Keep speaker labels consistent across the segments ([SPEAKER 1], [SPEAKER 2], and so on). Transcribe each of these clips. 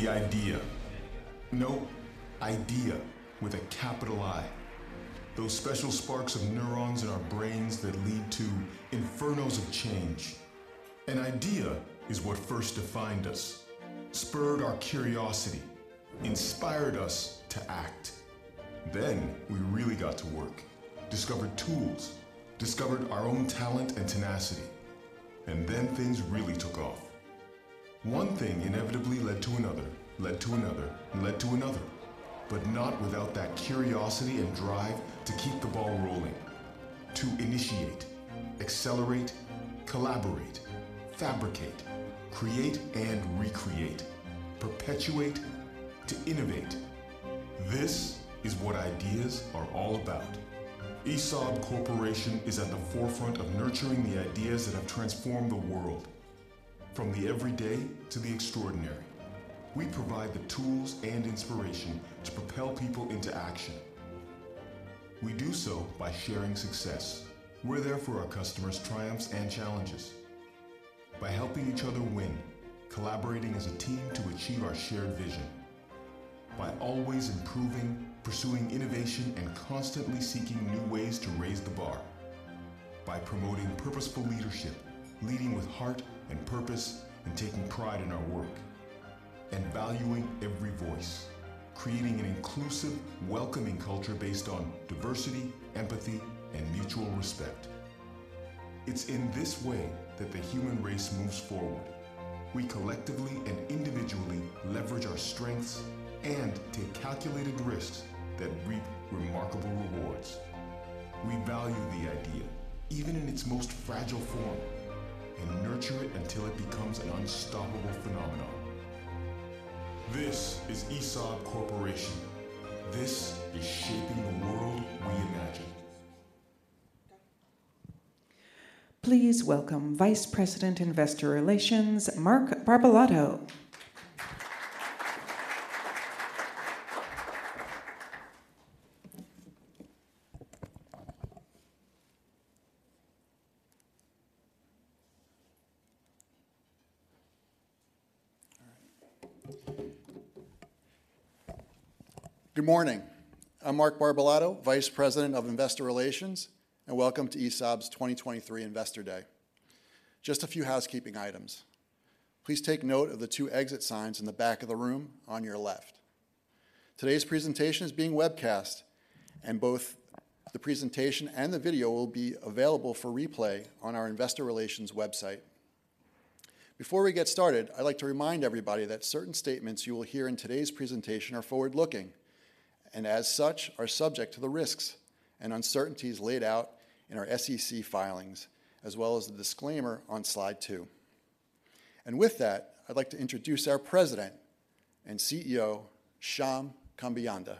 [SPEAKER 1] The idea. No, Idea with a capital I. Those special sparks of neurons in our brains that lead to infernos of change. An idea is what first defined us, spurred our curiosity, inspired us to act. Then we really got to work, discovered tools, discovered our own talent and tenacity, and then things really took off. One thing inevitably led to another, led to another, led to another, but not without that curiosity and drive to keep the ball rolling, to initiate, accelerate, collaborate, fabricate, create, and recreate, perpetuate, to innovate. This is what ideas are all about. ESAB Corporation is at the forefront of nurturing the ideas that have transformed the world, from the everyday to the extraordinary. We provide the tools and inspiration to propel people into action. We do so by sharing success. We're there for our customers' triumphs and challenges, by helping each other win, collaborating as a team to achieve our shared vision. By always improving, pursuing innovation, and constantly seeking new ways to raise the bar. By promoting purposeful leadership, leading with heart and purpose, and taking pride in our work, and valuing every voice, creating an inclusive, welcoming culture based on diversity, empathy, and mutual respect. It's in this way that the human race moves forward. We collectively and individually leverage our strengths and take calculated risks that reap remarkable rewards. We value the idea, even in its most fragile form, and nurture it until it becomes an unstoppable phenomenon. This is ESAB Corporation. This is shaping the world we imagine.
[SPEAKER 2] Please welcome Vice President, Investor Relations, Mark Barbalato.
[SPEAKER 3] Good morning. I'm Mark Barbalato, Vice President of Investor Relations, and Welcome to ESAB's 2023 Investor Day. Just a few housekeeping items. Please take note of the two exit signs in the back of the room on your left. Today's presentation is being webcast, and both the presentation and the video will be available for replay on our investor relations website. Before we get started, I'd like to remind everybody that certain statements you will hear in today's presentation are forward-looking, and as such, are subject to the risks and uncertainties laid out in our SEC filings, as well as the disclaimer on slide two. With that, I'd like to introduce our President and CEO, Shyam Kambeyanda.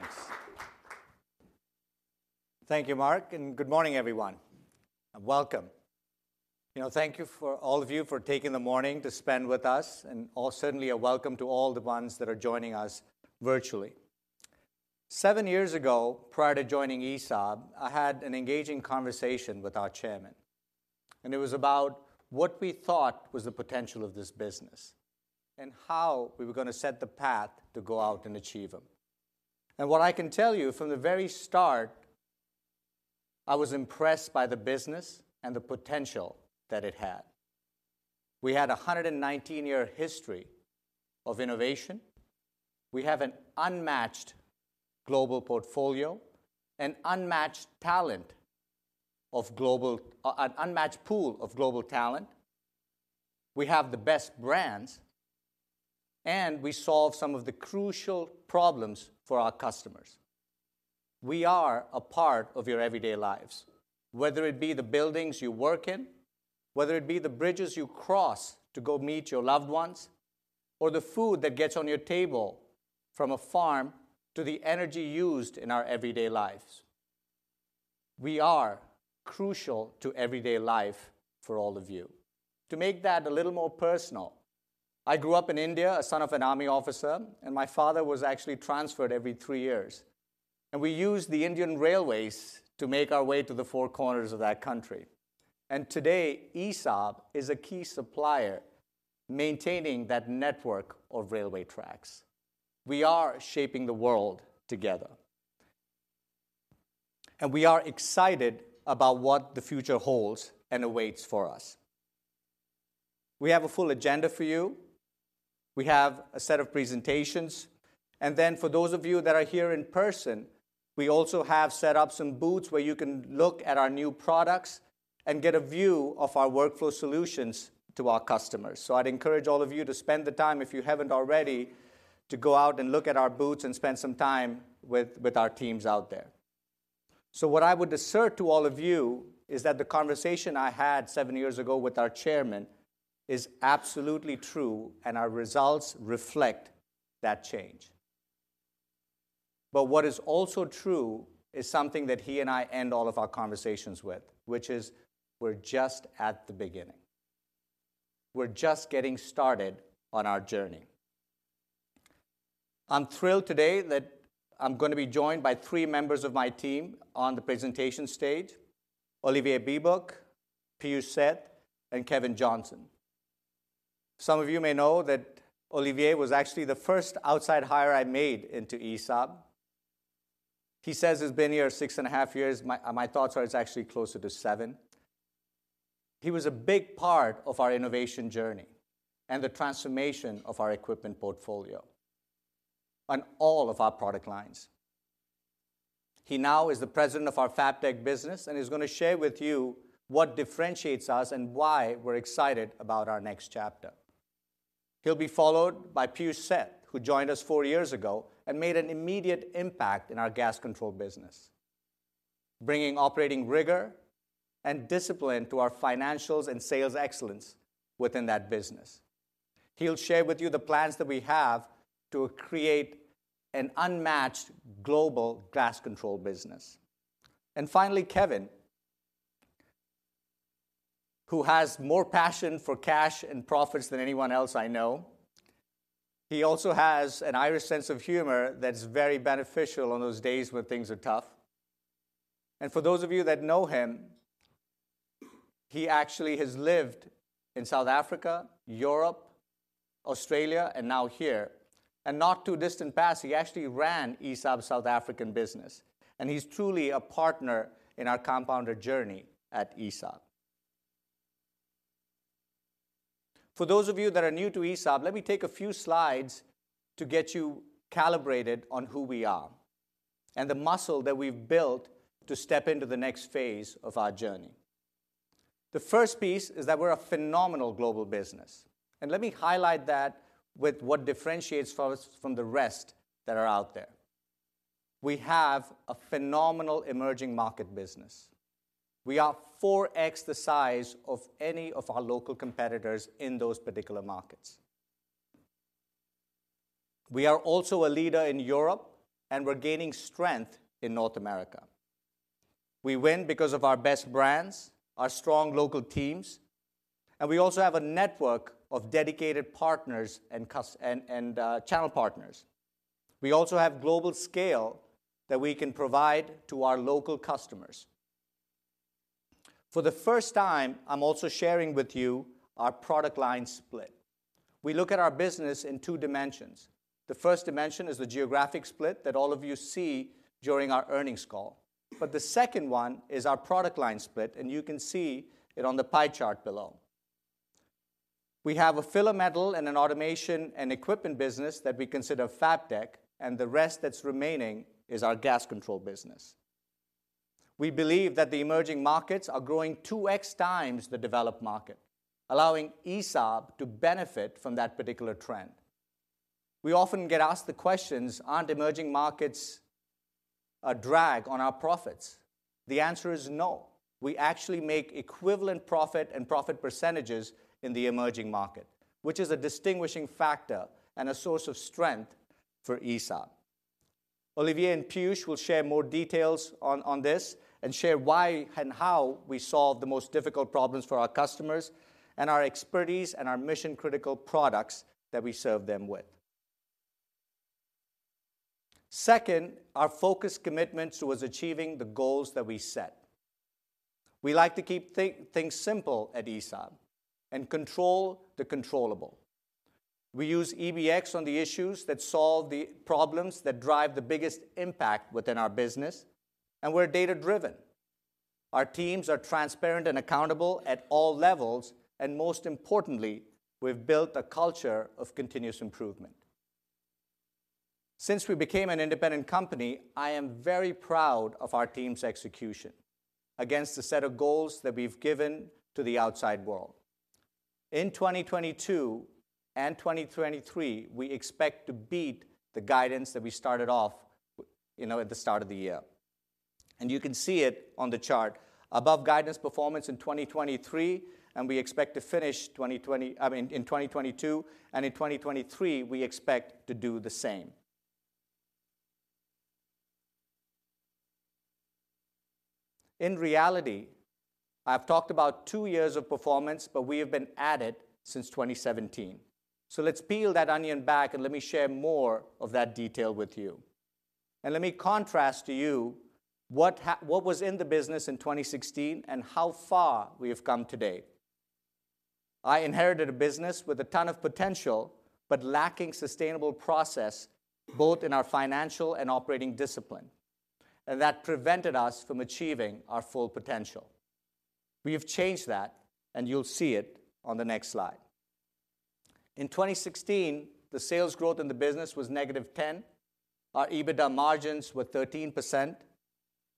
[SPEAKER 4] Thanks. Thank you, Mark, and good morning, everyone, and welcome. You know, thank you for all of you for taking the morning to spend with us, and also certainly a welcome to all the ones that are joining us virtually. Seven years ago, prior to joining ESAB, I had an engaging conversation with our chairman, and it was about what we thought was the potential of this business and how we were gonna set the path to go out and achieve them. And what I can tell you, from the very start, I was impressed by the business and the potential that it had. We had a 119-year history of innovation. We have an unmatched global portfolio and unmatched talent of global, an unmatched pool of global talent. We have the best brands, and we solve some of the crucial problems for our customers. We are a part of your everyday lives, whether it be the buildings you work in, whether it be the bridges you cross to go meet your loved ones, or the food that gets on your table from a farm, to the energy used in our everyday lives. We are crucial to everyday life for all of you. To make that a little more personal, I grew up in India, a son of an army officer, and my father was actually transferred every three years. We used the Indian railways to make our way to the four corners of that country. Today, ESAB is a key supplier, maintaining that network of railway tracks. We are shaping the world together. We are excited about what the future holds and awaits for us. We have a full agenda for you. We have a set of presentations, and then for those of you that are here in person, we also have set up some booths where you can look at our new products and get a view of our workflow solutions to our customers. So I'd encourage all of you to spend the time, if you haven't already, to go out and look at our booths and spend some time with our teams out there. So what I would assert to all of you is that the conversation I had seven years ago with our chairman is absolutely true, and our results reflect that change. But what is also true is something that he and I end all of our conversations with, which is: we're just at the beginning. We're just getting started on our journey. I'm thrilled today that I'm going to be joined by three members of my team on the presentation stage, Olivier Biebuyck, Piyush Sheth, and Kevin Johnson. Some of you may know that Olivier was actually the first outside hire I made into ESAB. He says he's been here six and a half years. My, my thoughts are it's actually closer to seven. He was a big part of our innovation journey and the transformation of our equipment portfolio on all of our product lines. He now is the president of our Fabtech business and is going to share with you what differentiates us and why we're excited about our next chapter. He'll be followed by Piyush Sheth, who joined us four years ago and made an immediate impact in our gas control business, bringing operating rigor and discipline to our financials and sales excellence within that business. He'll share with you the plans that we have to create an unmatched global gas control business. And finally, Kevin, who has more passion for cash and profits than anyone else I know. He also has an Irish sense of humor that's very beneficial on those days when things are tough. And for those of you that know him, he actually has lived in South Africa, Europe, Australia, and now here. In a not too distant past, he actually ran ESAB South African business, and he's truly a partner in our compounder journey at ESAB. For those of you that are new to ESAB, let me take a few slides to get you calibrated on who we are and the muscle that we've built to step into the next phase of our journey. The first piece is that we're a phenomenal global business, and let me highlight that with what differentiates us from the rest that are out there. We have a phenomenal emerging market business. We are 4x the size of any of our local competitors in those particular markets. We are also a leader in Europe, and we're gaining strength in North America. We win because of our best brands, our strong local teams, and we also have a network of dedicated partners and channel partners. We also have global scale that we can provide to our local customers. For the first time, I'm also sharing with you our product line split. We look at our business in two dimensions. The first dimension is the geographic split that all of you see during our earnings call, but the second one is our product line split, and you can see it on the pie chart below. We have a filler metal and an automation and equipment business that we consider Fabtech, and the rest that's remaining is our gas control business. We believe that the emerging markets are growing 2x times the developed market, allowing ESAB to benefit from that particular trend. We often get asked the questions, "Aren't emerging markets a drag on our profits?" The answer is no. We actually make equivalent profit and profit percentages in the emerging market, which is a distinguishing factor and a source of strength for ESAB. Olivier and Piyush will share more details on, on this and share why and how we solve the most difficult problems for our customers and our expertise and our mission-critical products that we serve them with. Second, our focus commitment towards achieving the goals that we set. We like to keep things simple at ESAB and control the controllable. We use EBX on the issues that solve the problems that drive the biggest impact within our business, and we're data-driven. Our teams are transparent and accountable at all levels, and most importantly, we've built a culture of continuous improvement. Since we became an independent company, I am very proud of our team's execution against the set of goals that we've given to the outside world. In 2022 and 2023, we expect to beat the guidance that we started off you know, at the start of the year. You can see it on the chart, above guidance performance in 2023, and we expect to finish 2022, I mean, in 2022, and in 2023, we expect to do the same. In reality, I've talked about two years of performance, but we have been at it since 2017. Let's peel that onion back, and let me share more of that detail with you. Let me contrast to you what what was in the business in 2016 and how far we have come today. I inherited a business with a ton of potential, but lacking sustainable process, both in our financial and operating discipline, and that prevented us from achieving our full potential. We have changed that, and you'll see it on the next slide. In 2016, the sales growth in the business was -10%, our EBITDA margins were 13%,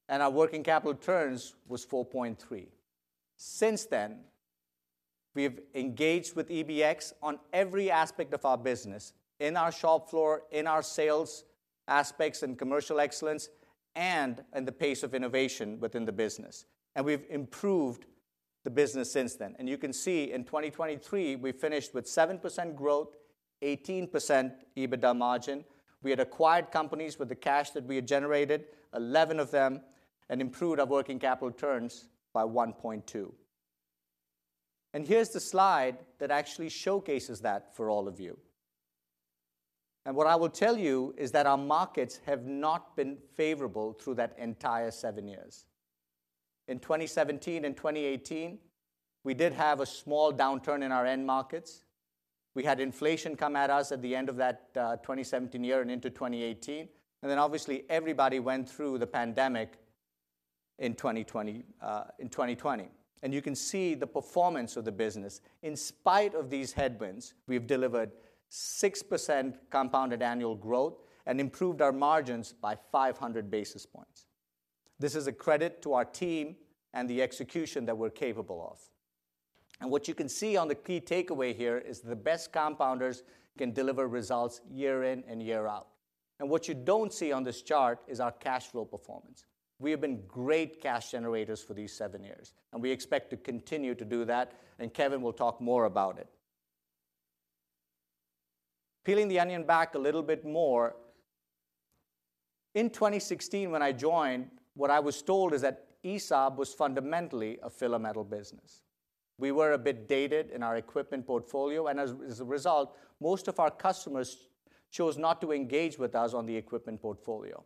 [SPEAKER 4] and our working capital turns was 4.3. Since then, we've engaged with EBX on every aspect of our business, in our shop floor, in our sales aspects and commercial excellence, and in the pace of innovation within the business, and we've improved the business since then. And you can see in 2023, we finished with 7% growth, 18% EBITDA margin. We had acquired companies with the cash that we had generated, 11 of them, and improved our working capital turns by 1.2.... And here's the slide that actually showcases that for all of you. And what I will tell you is that our markets have not been favorable through that entire seven years. In 2017 and 2018, we did have a small downturn in our end markets. We had inflation come at us at the end of that 2017 year and into 2018, and then obviously, everybody went through the pandemic in 2020, in 2020. You can see the performance of the business. In spite of these headwinds, we've delivered 6% compounded annual growth and improved our margins by 500 basis points. This is a credit to our team and the execution that we're capable of. What you can see on the key takeaway here is the best compounders can deliver results year in and year out. What you don't see on this chart is our cash flow performance. We have been great cash generators for these seven years, and we expect to continue to do that, and Kevin will talk more about it. Peeling the onion back a little bit more, in 2016, when I joined, what I was told is that ESAB was fundamentally a filler metal business. We were a bit dated in our equipment portfolio, and as a result, most of our customers chose not to engage with us on the equipment portfolio.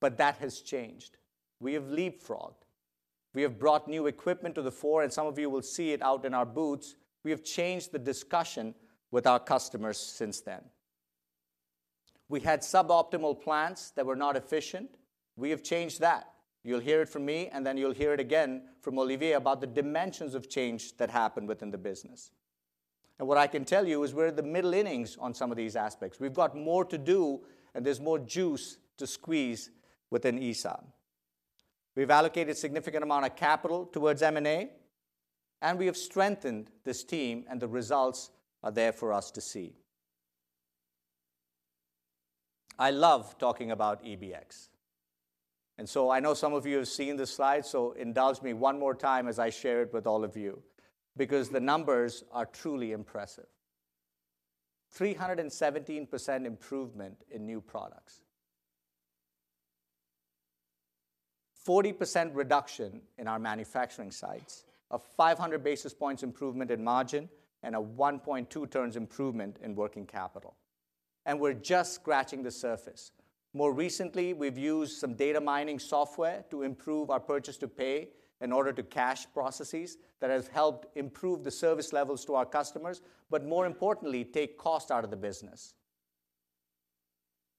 [SPEAKER 4] But that has changed. We have leapfrogged. We have brought new equipment to the fore, and some of you will see it out in our booths. We have changed the discussion with our customers since then. We had suboptimal plants that were not efficient. We have changed that. You'll hear it from me, and then you'll hear it again from Olivier about the dimensions of change that happened within the business. What I can tell you is we're in the middle innings on some of these aspects. We've got more to do, and there's more juice to squeeze within ESAB. We've allocated a significant amount of capital towards M&A, and we have strengthened this team, and the results are there for us to see. I love talking about EBX. So I know some of you have seen this slide, so indulge me one more time as I share it with all of you, because the numbers are truly impressive. 317% improvement in new products, 40% reduction in our manufacturing sites, a 500 basis points improvement in margin, and a 1.2 turns improvement in working capital, and we're just scratching the surface. More recently, we've used some data mining software to improve our purchase to pay and order to cash processes that has helped improve the service levels to our customers, but more importantly, take cost out of the business.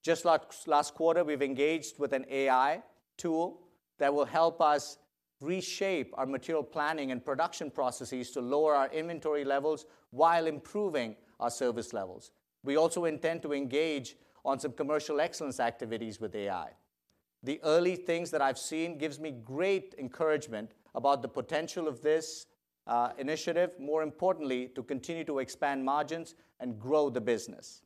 [SPEAKER 4] Just like last quarter, we've engaged with an AI tool that will help us reshape our material planning and production processes to lower our inventory levels while improving our service levels. We also intend to engage on some commercial excellence activities with AI. The early things that I've seen gives me great encouragement about the potential of this, initiative, more importantly, to continue to expand margins and grow the business.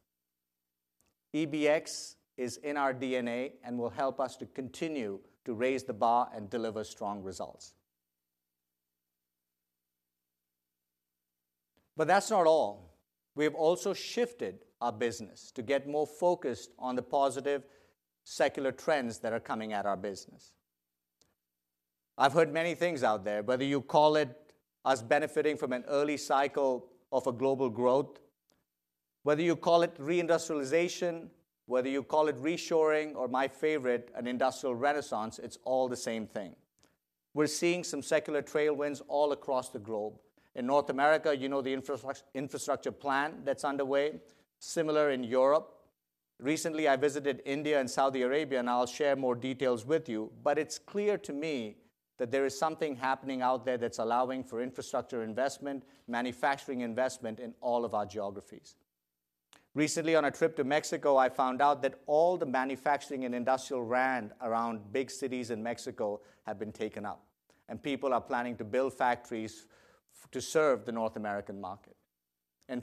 [SPEAKER 4] EBX is in our DNA and will help us to continue to raise the bar and deliver strong results. But that's not all. We have also shifted our business to get more focused on the positive secular trends that are coming at our business. I've heard many things out there, whether you call it us benefiting from an early cycle of a global growth, whether you call it reindustrialization, whether you call it reshoring, or my favorite, an industrial renaissance, it's all the same thing. We're seeing some secular tailwinds all across the globe. In North America, you know the infrastructure plan that's underway, similar in Europe. Recently, I visited India and Saudi Arabia, and I'll share more details with you, but it's clear to me that there is something happening out there that's allowing for infrastructure investment, manufacturing investment in all of our geographies. Recently, on a trip to Mexico, I found out that all the manufacturing and industrial land around big cities in Mexico have been taken up, and people are planning to build factories to serve the North American market.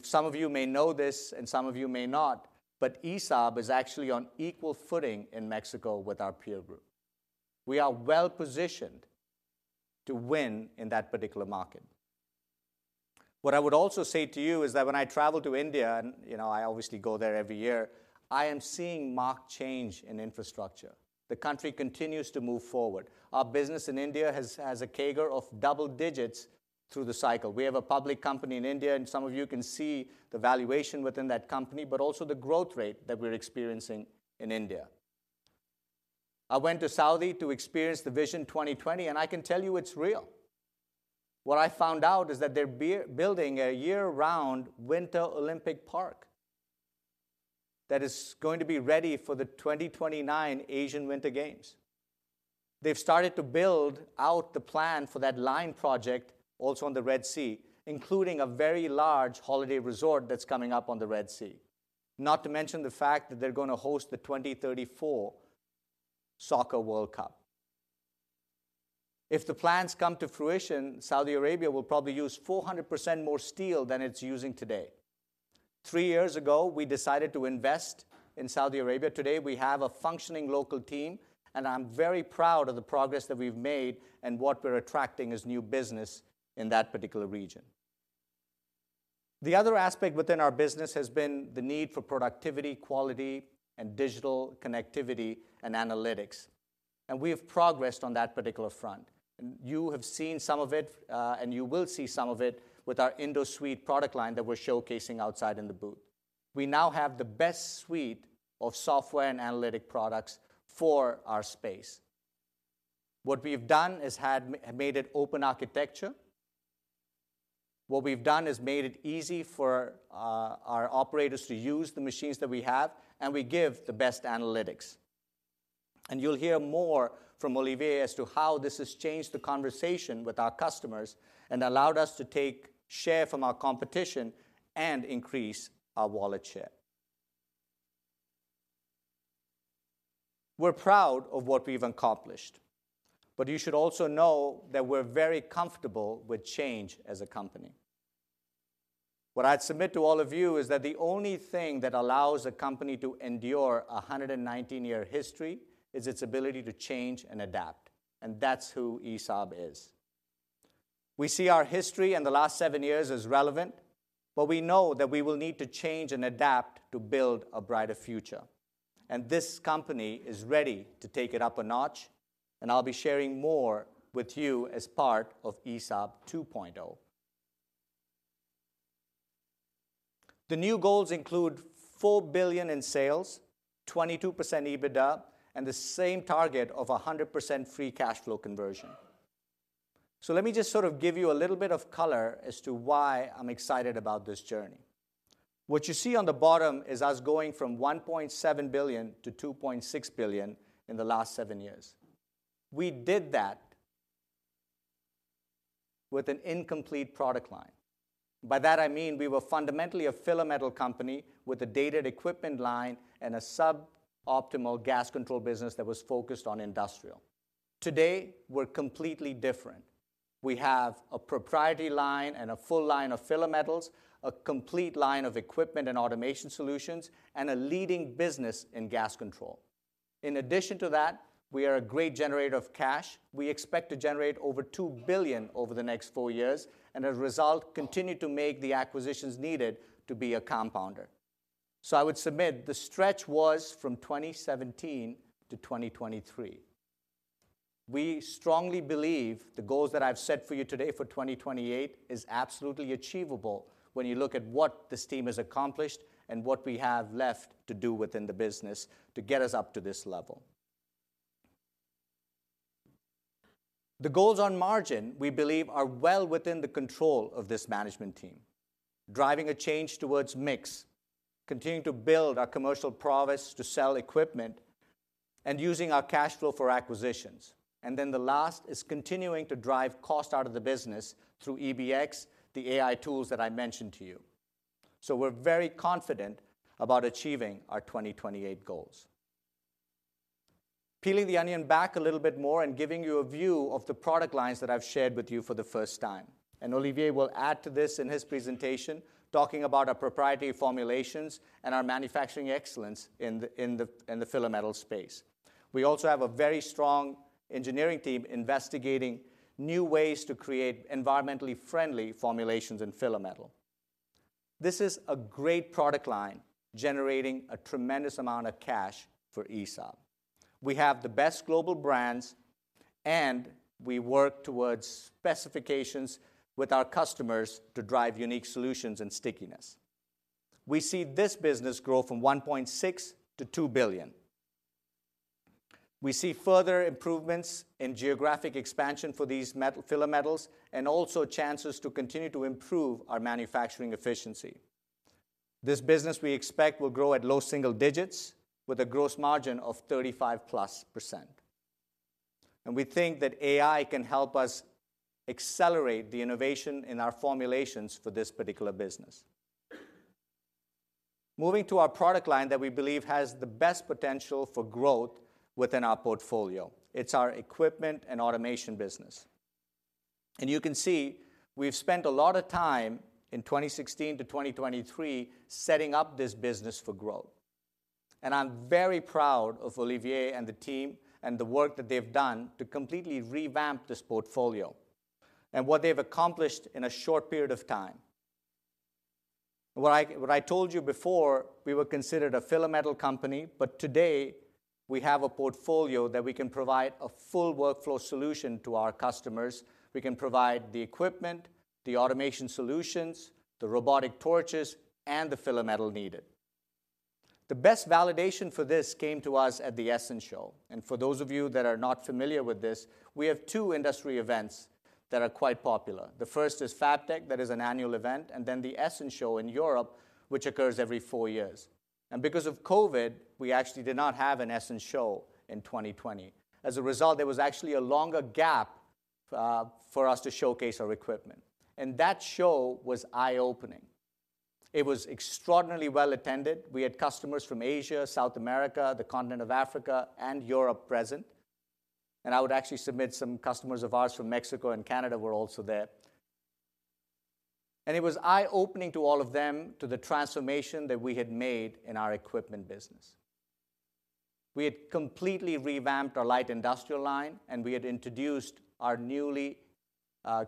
[SPEAKER 4] Some of you may know this and some of you may not, but ESAB is actually on equal footing in Mexico with our peer group. We are well-positioned to win in that particular market. What I would also say to you is that when I travel to India, and, you know, I obviously go there every year, I am seeing marked change in infrastructure. The country continues to move forward. Our business in India has a CAGR of double digits through the cycle. We have a public company in India, and some of you can see the valuation within that company, but also the growth rate that we're experiencing in India. I went to Saudi to experience the Vision 2030, and I can tell you it's real. What I found out is that they're building a year-round Winter Olympic Park that is going to be ready for the 2029 Asian Winter Games. They've started to build out the plan for that Line project, also on the Red Sea, including a very large holiday resort that's coming up on the Red Sea. Not to mention the fact that they're going to host the 2034 Soccer World Cup. If the plans come to fruition, Saudi Arabia will probably use 400% more steel than it's using today. Three years ago, we decided to invest in Saudi Arabia. Today, we have a functioning local team, and I'm very proud of the progress that we've made and what we're attracting as new business in that particular region.... The other aspect within our business has been the need for productivity, quality, and digital connectivity and analytics, and we have progressed on that particular front. And you have seen some of it, and you will see some of it with our InduSuite product line that we're showcasing outside in the booth. We now have the best suite of software and analytic products for our space. What we've done is have made it open architecture. What we've done is made it easy for, our operators to use the machines that we have, and we give the best analytics. You'll hear more from Olivier as to how this has changed the conversation with our customers and allowed us to take share from our competition and increase our wallet share. We're proud of what we've accomplished, but you should also know that we're very comfortable with change as a company. What I'd submit to all of you is that the only thing that allows a company to endure a 119-year history is its ability to change and adapt, and that's who ESAB is. We see our history in the last seven years as relevant, but we know that we will need to change and adapt to build a brighter future, and this company is ready to take it up a notch, and I'll be sharing more with you as part of ESAB 2.0. The new goals include $4 billion in sales, 22% EBITDA, and the same target of 100% free cash flow conversion. So let me just sort of give you a little bit of color as to why I'm excited about this journey. What you see on the bottom is us going from $1.7 billion to $2.6 billion in the last 7 years. We did that with an incomplete product line. By that I mean we were fundamentally a filler metal company with a dated equipment line and a sub-optimal gas control business that was focused on industrial. Today, we're completely different. We have a proprietary line and a full line of filler metals, a complete line of equipment and automation solutions, and a leading business in gas control. In addition to that, we are a great generator of cash. We expect to generate over $2 billion over the next 4 years, and as a result, continue to make the acquisitions needed to be a compounder. So I would submit the stretch was from 2017 to 2023. We strongly believe the goals that I've set for you today for 2028 is absolutely achievable when you look at what this team has accomplished and what we have left to do within the business to get us up to this level. The goals on margin, we believe, are well within the control of this management team, driving a change towards mix, continuing to build our commercial prowess to sell equipment, and using our cash flow for acquisitions. And then the last is continuing to drive cost out of the business through EBX, the AI tools that I mentioned to you. So we're very confident about achieving our 2028 goals. Peeling the onion back a little bit more and giving you a view of the product lines that I've shared with you for the first time, and Olivier will add to this in his presentation, talking about our proprietary formulations and our manufacturing excellence in the filler metal space. We also have a very strong engineering team investigating new ways to create environmentally friendly formulations in filler metal. This is a great product line, generating a tremendous amount of cash for ESAB. We have the best global brands, and we work towards specifications with our customers to drive unique solutions and stickiness. We see this business grow from $1.6 billion-$2 billion. We see further improvements in geographic expansion for these metal-filler metals, and also chances to continue to improve our manufacturing efficiency. This business, we expect, will grow at low single digits with a gross margin of 35%+. We think that AI can help us accelerate the innovation in our formulations for this particular business. Moving to our product line that we believe has the best potential for growth within our portfolio, it's our equipment and automation business. You can see we've spent a lot of time in 2016 to 2023 setting up this business for growth. I'm very proud of Olivier and the team and the work that they've done to completely revamp this portfolio and what they've accomplished in a short period of time. What I, what I told you before, we were considered a filler metal company, but today, we have a portfolio that we can provide a full workflow solution to our customers. We can provide the equipment, the automation solutions, the robotic torches, and the filler metal needed. The best validation for this came to us at the Essen Show. For those of you that are not familiar with this, we have two industry events that are quite popular. The first is Fabtech, that is an annual event, and then the Essen Show in Europe, which occurs every four years. Because of COVID, we actually did not have an Essen Show in 2020. As a result, there was actually a longer gap for us to showcase our equipment, and that show was eye-opening. It was extraordinarily well-attended. We had customers from Asia, South America, the continent of Africa, and Europe present, and I would actually submit some customers of ours from Mexico and Canada were also there. It was eye-opening to all of them, to the transformation that we had made in our equipment business. We had completely revamped our light industrial line, and we had introduced our newly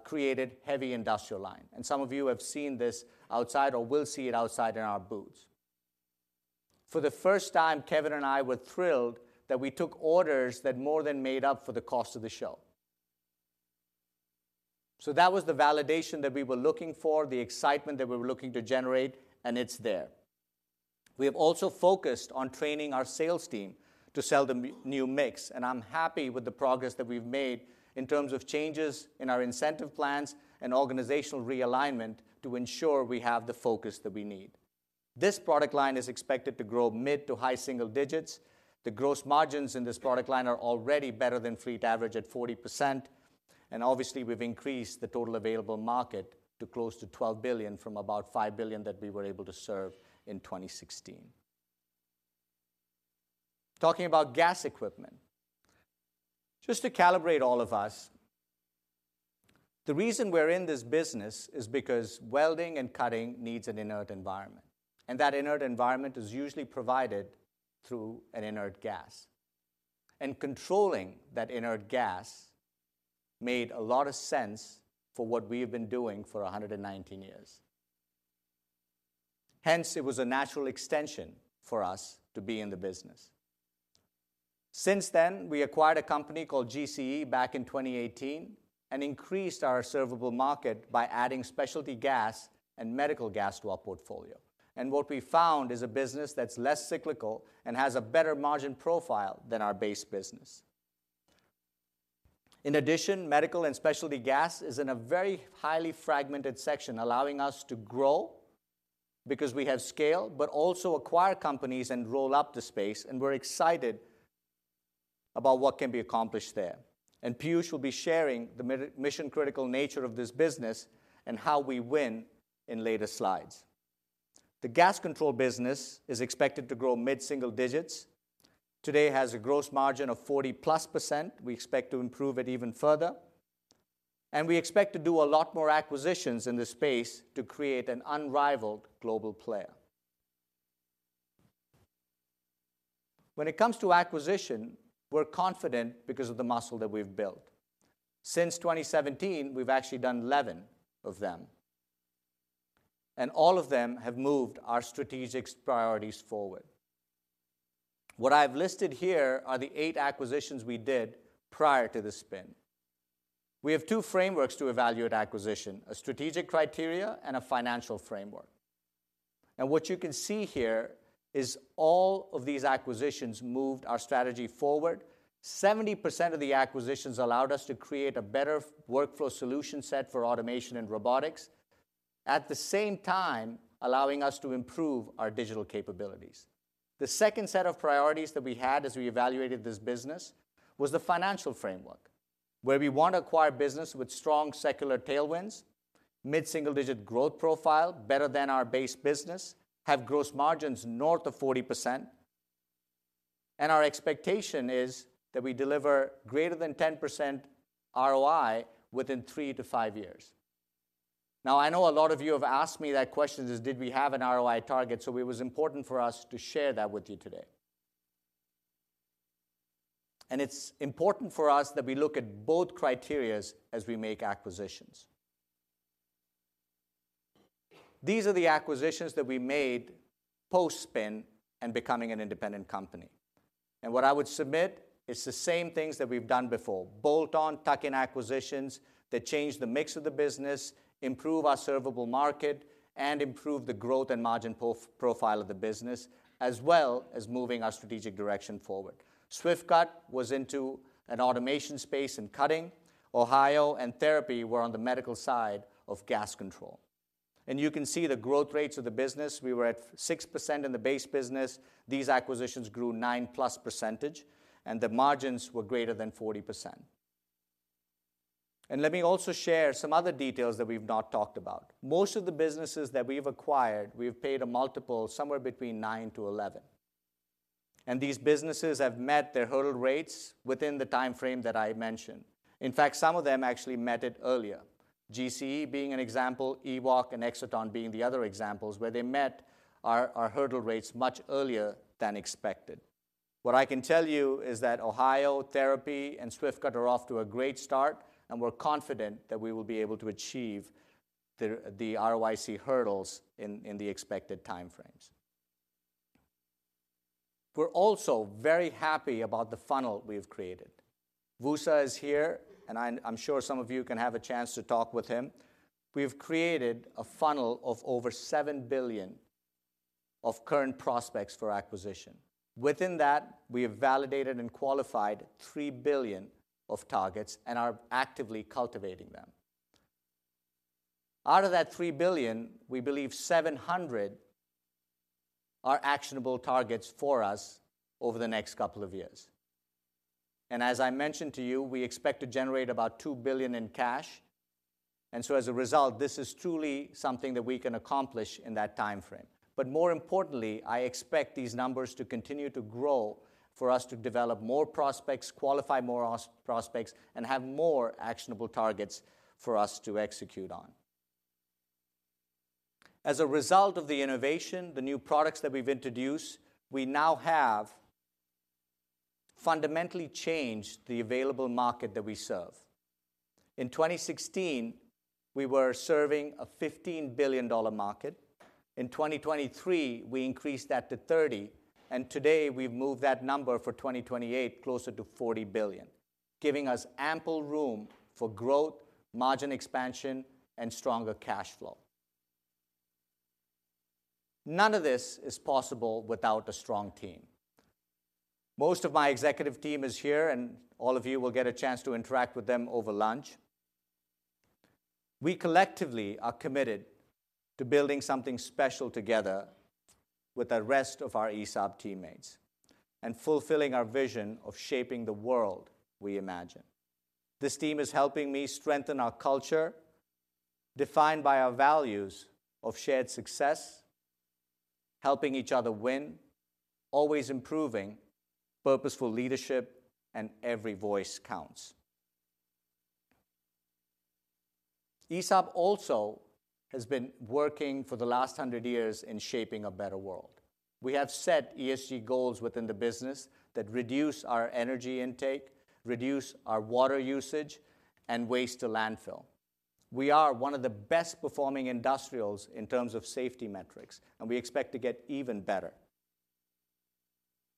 [SPEAKER 4] created heavy industrial line. Some of you have seen this outside or will see it outside in our booths. For the first time, Kevin and I were thrilled that we took orders that more than made up for the cost of the show. That was the validation that we were looking for, the excitement that we were looking to generate, and it's there. We have also focused on training our sales team to sell the new mix, and I'm happy with the progress that we've made in terms of changes in our incentive plans and organizational realignment to ensure we have the focus that we need. This product line is expected to grow mid- to high-single digits. The gross margins in this product line are already better than fleet average at 40%, and obviously, we've increased the total available market to close to $12 billion from about $5 billion that we were able to serve in 2016. Talking about gas equipment, just to calibrate all of us, the reason we're in this business is because welding and cutting needs an inert environment, and that inert environment is usually provided through an inert gas. And controlling that inert gas made a lot of sense for what we have been doing for 119 years. Hence, it was a natural extension for us to be in the business. Since then, we acquired a company called GCE back in 2018 and increased our servable market by adding specialty gas and medical gas to our portfolio. What we found is a business that's less cyclical and has a better margin profile than our base business. In addition, medical and specialty gas is in a very highly fragmented section, allowing us to grow because we have scale, but also acquire companies and roll up the space, and we're excited about what can be accomplished there. Piyush will be sharing the mission-critical nature of this business and how we win in later slides. The gas control business is expected to grow mid-single digits. Today, it has a gross margin of 40%+. We expect to improve it even further, and we expect to do a lot more acquisitions in this space to create an unrivaled global player. When it comes to acquisition, we're confident because of the muscle that we've built. Since 2017, we've actually done 11 of them, and all of them have moved our strategic priorities forward. What I've listed here are the eight acquisitions we did prior to the spin. We have two frameworks to evaluate acquisition: a strategic criteria and a financial framework. What you can see here is all of these acquisitions moved our strategy forward. 70% of the acquisitions allowed us to create a better workflow solution set for automation and robotics, at the same time, allowing us to improve our digital capabilities. The second set of priorities that we had as we evaluated this business was the financial framework, where we want to acquire business with strong secular tailwinds, mid-single-digit growth profile, better than our base business, have gross margins north of 40%, and our expectation is that we deliver greater than 10% ROI within 3-5 years. Now, I know a lot of you have asked me that question: is, did we have an ROI target? It was important for us to share that with you today. It's important for us that we look at both criteria as we make acquisitions. These are the acquisitions that we made post-spin and becoming an independent company. What I would submit, it's the same things that we've done before: bolt-on, tuck-in acquisitions that change the mix of the business, improve our servable market, and improve the growth and margin profile of the business, as well as moving our strategic direction forward. Swift-Cut was into an automation space in cutting. Ohio and Therapy were on the medical side of gas control. You can see the growth rates of the business. We were at 6% in the base business. These acquisitions grew 9+%, and the margins were greater than 40%. Let me also share some other details that we've not talked about. Most of the businesses that we've acquired, we've paid a multiple somewhere between 9-11, and these businesses have met their hurdle rates within the time frame that I mentioned. In fact, some of them actually met it earlier. GCE being an example, EWM and Exaton being the other examples, where they met our hurdle rates much earlier than expected. What I can tell you is that Ohio, Therapy, and Swift-Cut are off to a great start, and we're confident that we will be able to achieve the ROIC hurdles in the expected time frames. We're also very happy about the funnel we've created. Wusa is here, and I'm sure some of you can have a chance to talk with him. We've created a funnel of over $7 billion of current prospects for acquisition. Within that, we have validated and qualified $3 billion of targets and are actively cultivating them. Out of that $3 billion, we believe 700 are actionable targets for us over the next couple of years. And as I mentioned to you, we expect to generate about $2 billion in cash, and so as a result, this is truly something that we can accomplish in that time frame. But more importantly, I expect these numbers to continue to grow, for us to develop more prospects, qualify more prospects, and have more actionable targets for us to execute on.... As a result of the innovation, the new products that we've introduced, we now have fundamentally changed the available market that we serve. In 2016, we were serving a $15 billion market. In 2023, we increased that to $30 billion, and today, we've moved that number for 2028 closer to $40 billion, giving us ample room for growth, margin expansion, and stronger cash flow. None of this is possible without a strong team. Most of my executive team is here, and all of you will get a chance to interact with them over lunch. We collectively are committed to building something special together with the rest of our ESAB teammates and fulfilling our vision of shaping the world we imagine. This team is helping me strengthen our culture, defined by our values of shared success, helping each other win, always improving, purposeful leadership, and every voice counts. ESAB also has been working for the last 100 years in shaping a better world. We have set ESG goals within the business that reduce our energy intake, reduce our water usage, and waste to landfill. We are one of the best performing industrials in terms of safety metrics, and we expect to get even better.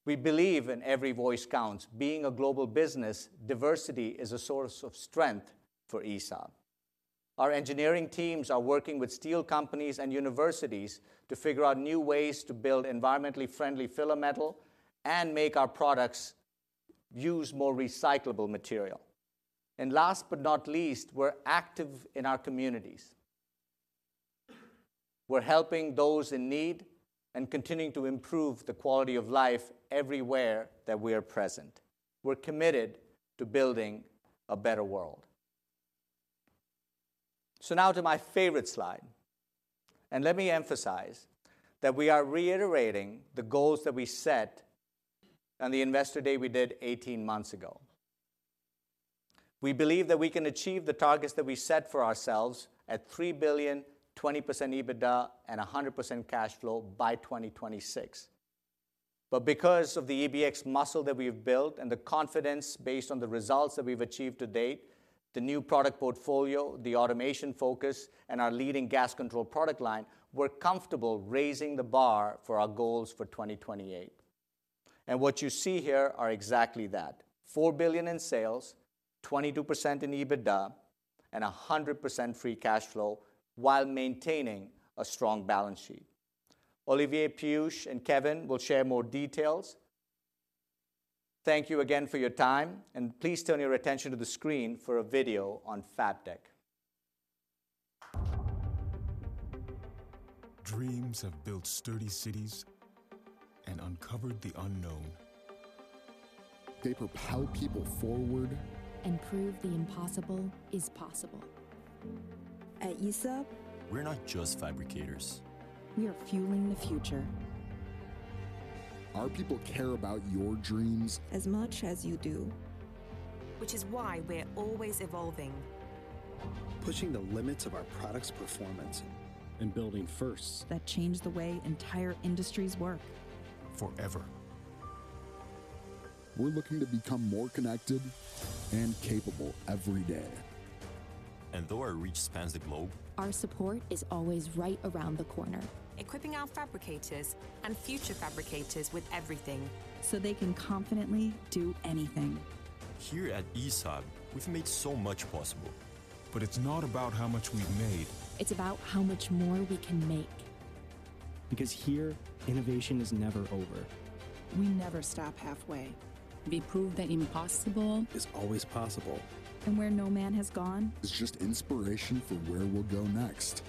[SPEAKER 4] We believe in every voice counts. Being a global business, diversity is a source of strength for ESAB. Our engineering teams are working with steel companies and universities to figure out new ways to build environmentally friendly filler metal and make our products use more recyclable material. And last but not least, we're active in our communities. We're helping those in need and continuing to improve the quality of life everywhere that we are present. We're committed to building a better world. So now to my favorite slide, and let me emphasize that we are reiterating the goals that we set on the Investor Day we did 18 months ago. We believe that we can achieve the targets that we set for ourselves at $3 billion, 20% EBITDA, and 100% cash flow by 2026. But because of the EBX muscle that we've built and the confidence based on the results that we've achieved to date, the new product portfolio, the automation focus, and our leading gas control product line, we're comfortable raising the bar for our goals for 2028. And what you see here are exactly that: $4 billion in sales, 22% in EBITDA, and 100% free cash flow while maintaining a strong balance sheet. Olivier, Piyush, and Kevin will share more details. Thank you again for your time, and please turn your attention to the screen for a video on Fabtech.
[SPEAKER 1] Dreams have built sturdy cities and uncovered the unknown. They propel people forward and prove the impossible is possible. At ESAB- We're not just fabricators. We are fueling the future. Our people care about your dreams as much as you do. Which is why we're always evolving. Pushing the limits of our products' performance and building firsts that change the way entire industries work forever. We're looking to become more connected and capable every day. And though our reach spans the globe, our support is always right around the corner. Equipping our fabricators and future fabricators with everything so they can confidently do anything. Here at ESAB, we've made so much possible. But it's not about how much we've made. It's about how much more we can make. Because here, innovation is never over. We never stop halfway. We prove that impossible is always possible. And where no man has gone is just inspiration for where we'll go next.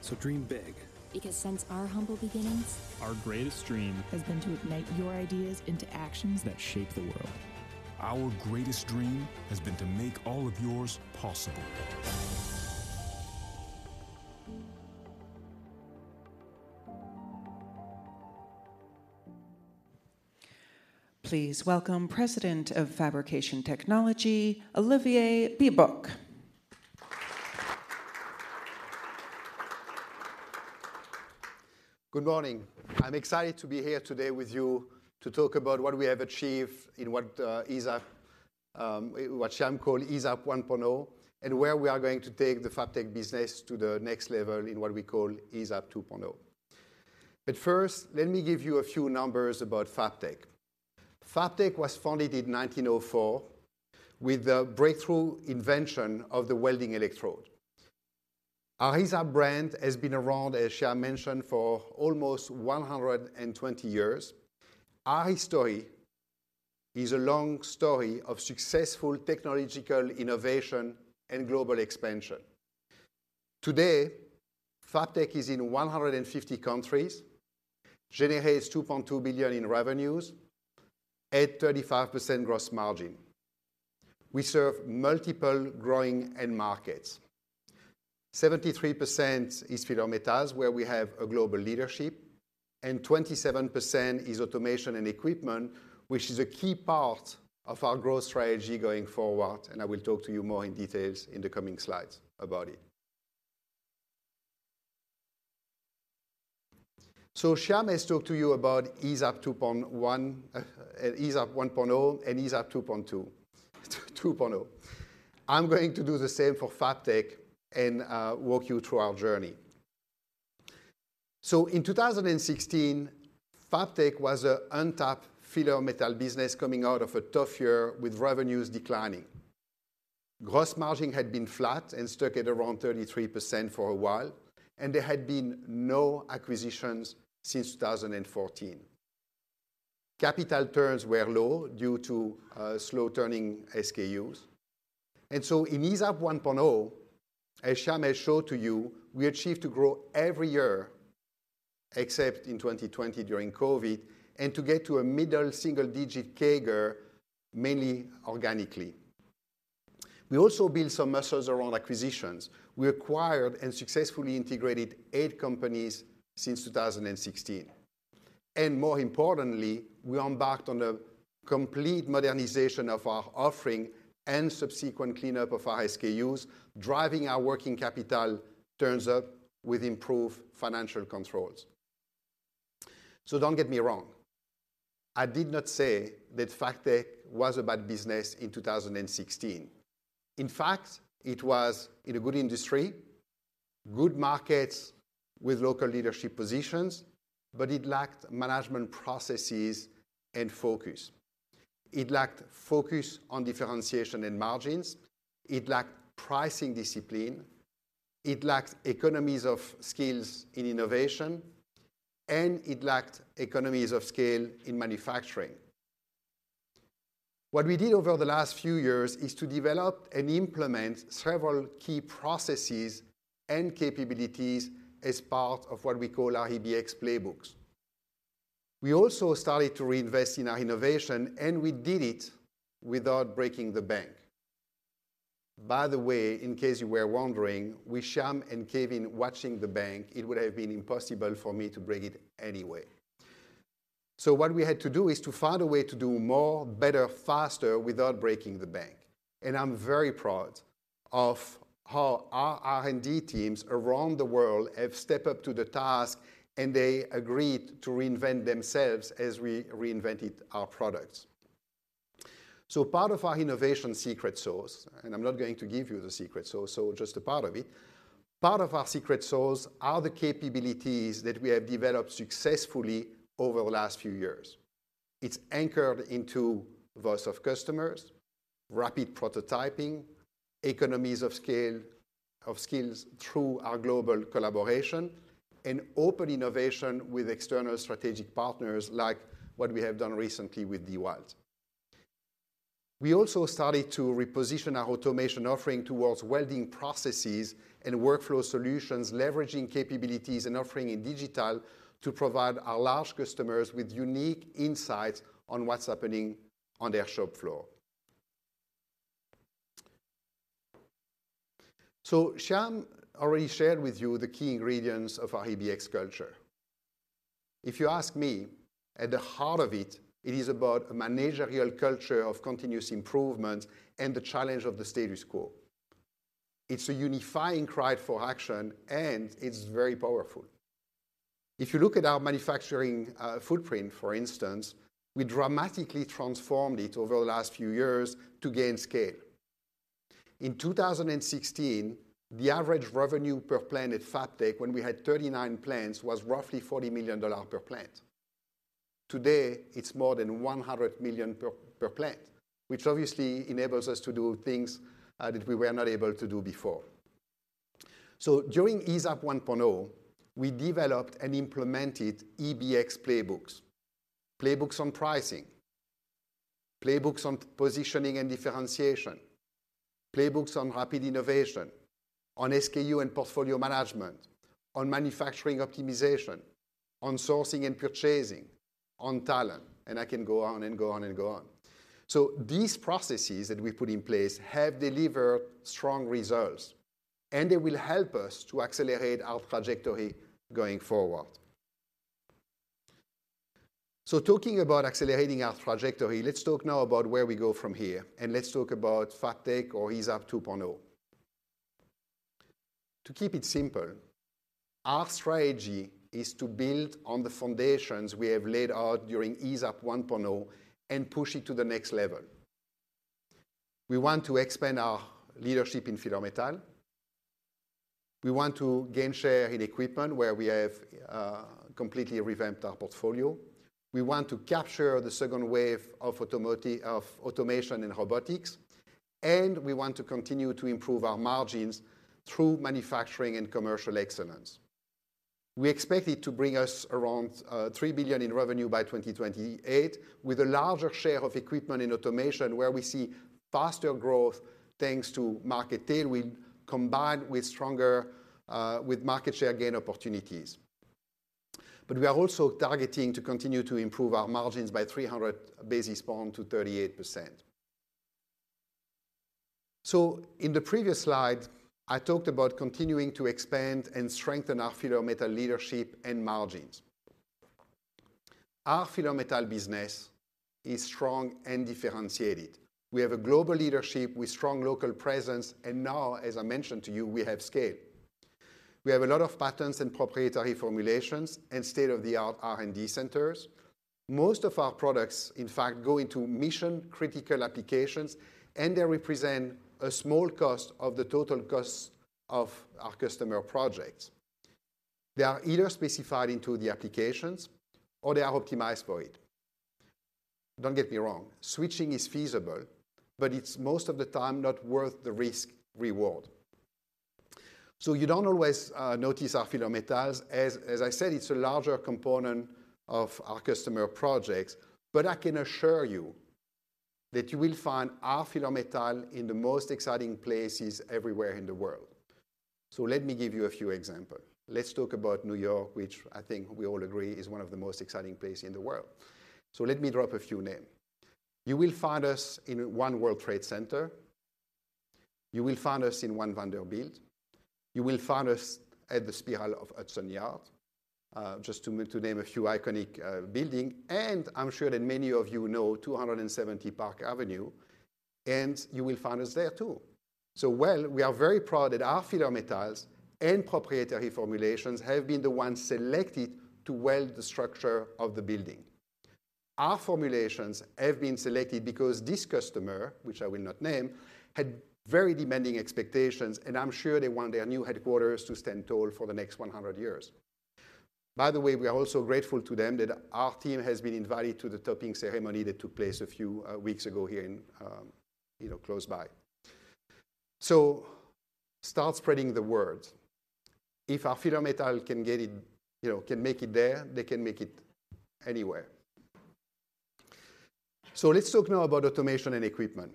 [SPEAKER 1] So dream big. Because since our humble beginnings, our greatest dream has been to ignite your ideas into actions that shape the world. Our greatest dream has been to make all of yours possible.
[SPEAKER 2] Please welcome President of Fabrication Technology, Olivier Biebuyck.
[SPEAKER 5] Good morning. I'm excited to be here today with you to talk about what we have achieved in what ESAB what Shyam called ESAB 1.0, and where we are going to take the Fabtech business to the next level in what we call ESAB 2.0. But first, let me give you a few numbers about Fabtech. Fabtech was founded in 1904 with the breakthrough invention of the welding electrode. Our ESAB brand has been around, as Shyam mentioned, for almost 120 years. Our story is a long story of successful technological innovation and global expansion. Today, Fabtech is in 150 countries, generates $2.2 billion in revenues at 35% gross margin. We serve multiple growing end markets. 73% is filler metals, where we have a global leadership.... and 27% is automation and equipment, which is a key part of our growth strategy going forward, and I will talk to you more in details in the coming slides about it. So Shyam has talked to you about ESAB 2.1, ESAB 1.0 and ESAB 2.0. I'm going to do the same for Fabtech and walk you through our journey. So in 2016, Fabtech was an untapped filler metal business coming out of a tough year with revenues declining. Gross margin had been flat and stuck at around 33% for a while, and there had been no acquisitions since 2014. Capital turns were low due to slow turning SKUs. In ESAB 1.0, as Shyam has showed to you, we achieved to grow every year, except in 2020 during COVID, and to get to a middle single-digit CAGR, mainly organically. We also built some muscles around acquisitions. We acquired and successfully integrated eight companies since 2016. More importantly, we embarked on a complete modernization of our offering and subsequent cleanup of our SKUs, driving our working capital turns up with improved financial controls. So don't get me wrong, I did not say that Fabtech was a bad business in 2016. In fact, it was in a good industry, good markets with local leadership positions, but it lacked management processes and focus. It lacked focus on differentiation and margins, it lacked pricing discipline, it lacked economies of skills in innovation, and it lacked economies of scale in manufacturing. What we did over the last few years is to develop and implement several key processes and capabilities as part of what we call our EBX playbooks. We also started to reinvest in our innovation, and we did it without breaking the bank. By the way, in case you were wondering, with Shyam and Kevin watching the bank, it would have been impossible for me to break it anyway. So what we had to do is to find a way to do more, better, faster, without breaking the bank. And I'm very proud of how our R&D teams around the world have stepped up to the task, and they agreed to reinvent themselves as we reinvented our products. So part of our innovation secret sauce, and I'm not going to give you the secret sauce, so just a part of it. Part of our secret sauce are the capabilities that we have developed successfully over the last few years. It's anchored into voice of customers, rapid prototyping, economies of scale of skills through our global collaboration, and open innovation with external strategic partners, like what we have done recently with DeWalt. We also started to reposition our automation offering towards welding processes and workflow solutions, leveraging capabilities and offering in digital to provide our large customers with unique insights on what's happening on their shop floor. So Shyam already shared with you the key ingredients of our EBX culture. If you ask me, at the heart of it, it is about a managerial culture of continuous improvement and the challenge of the status quo. It's a unifying cry for action, and it's very powerful. If you look at our manufacturing footprint, for instance, we dramatically transformed it over the last few years to gain scale. In 2016, the average revenue per plant at Fabtech, when we had 39 plants, was roughly $40 million per plant. Today, it's more than $100 million per plant, which obviously enables us to do things that we were not able to do before. So during ESAB 1.0, we developed and implemented EBX playbooks. Playbooks on pricing, playbooks on positioning and differentiation, playbooks on rapid innovation, on SKU and portfolio management, on manufacturing optimization, on sourcing and purchasing, on talent, and I can go on and go on and go on. So these processes that we put in place have delivered strong results, and they will help us to accelerate our trajectory going forward. So talking about accelerating our trajectory, let's talk now about where we go from here, and let's talk about Fabtech or ESAB 2.0. To keep it simple, our strategy is to build on the foundations we have laid out during ESAB 1.0 and push it to the next level. We want to expand our leadership in filler metal. We want to gain share in equipment, where we have completely revamped our portfolio. We want to capture the second wave of automation and robotics, and we want to continue to improve our margins through manufacturing and commercial excellence. We expect it to bring us around $3 billion in revenue by 2028, with a larger share of equipment in automation, where we see faster growth, thanks to market tailwind, combined with stronger with market share gain opportunities. But we are also targeting to continue to improve our margins by 300 basis points to 38%.... So in the previous slide, I talked about continuing to expand and strengthen our filler metal leadership and margins. Our filler metal business is strong and differentiated. We have a global leadership with strong local presence, and now, as I mentioned to you, we have scale. We have a lot of patents and proprietary formulations and state-of-the-art R&D centers. Most of our products, in fact, go into mission-critical applications, and they represent a small cost of the total cost of our customer projects. They are either specified into the applications or they are optimized for it. Don't get me wrong, switching is feasible, but it's most of the time not worth the risk reward. So you don't always notice our filler metals. As, as I said, it's a larger component of our customer projects, but I can assure you that you will find our filler metal in the most exciting places everywhere in the world. So let me give you a few example. Let's talk about New York, which I think we all agree is one of the most exciting place in the world. So let me drop a few names. You will find us in One World Trade Center. You will find us in One Vanderbilt. You will find us at the Spiral of Hudson Yards, just to name a few iconic building. And I'm sure that many of you know 270 Park Avenue, and you will find us there, too. Well, we are very proud that our filler metals and proprietary formulations have been the ones selected to weld the structure of the building. Our formulations have been selected because this customer, which I will not name, had very demanding expectations, and I'm sure they want their new headquarters to stand tall for the next 100 years. By the way, we are also grateful to them that our team has been invited to the topping ceremony that took place a few weeks ago here in, you know, close by. So start spreading the word. If our filler metal can get it, you know, can make it there, they can make it anywhere. So let's talk now about automation and equipment.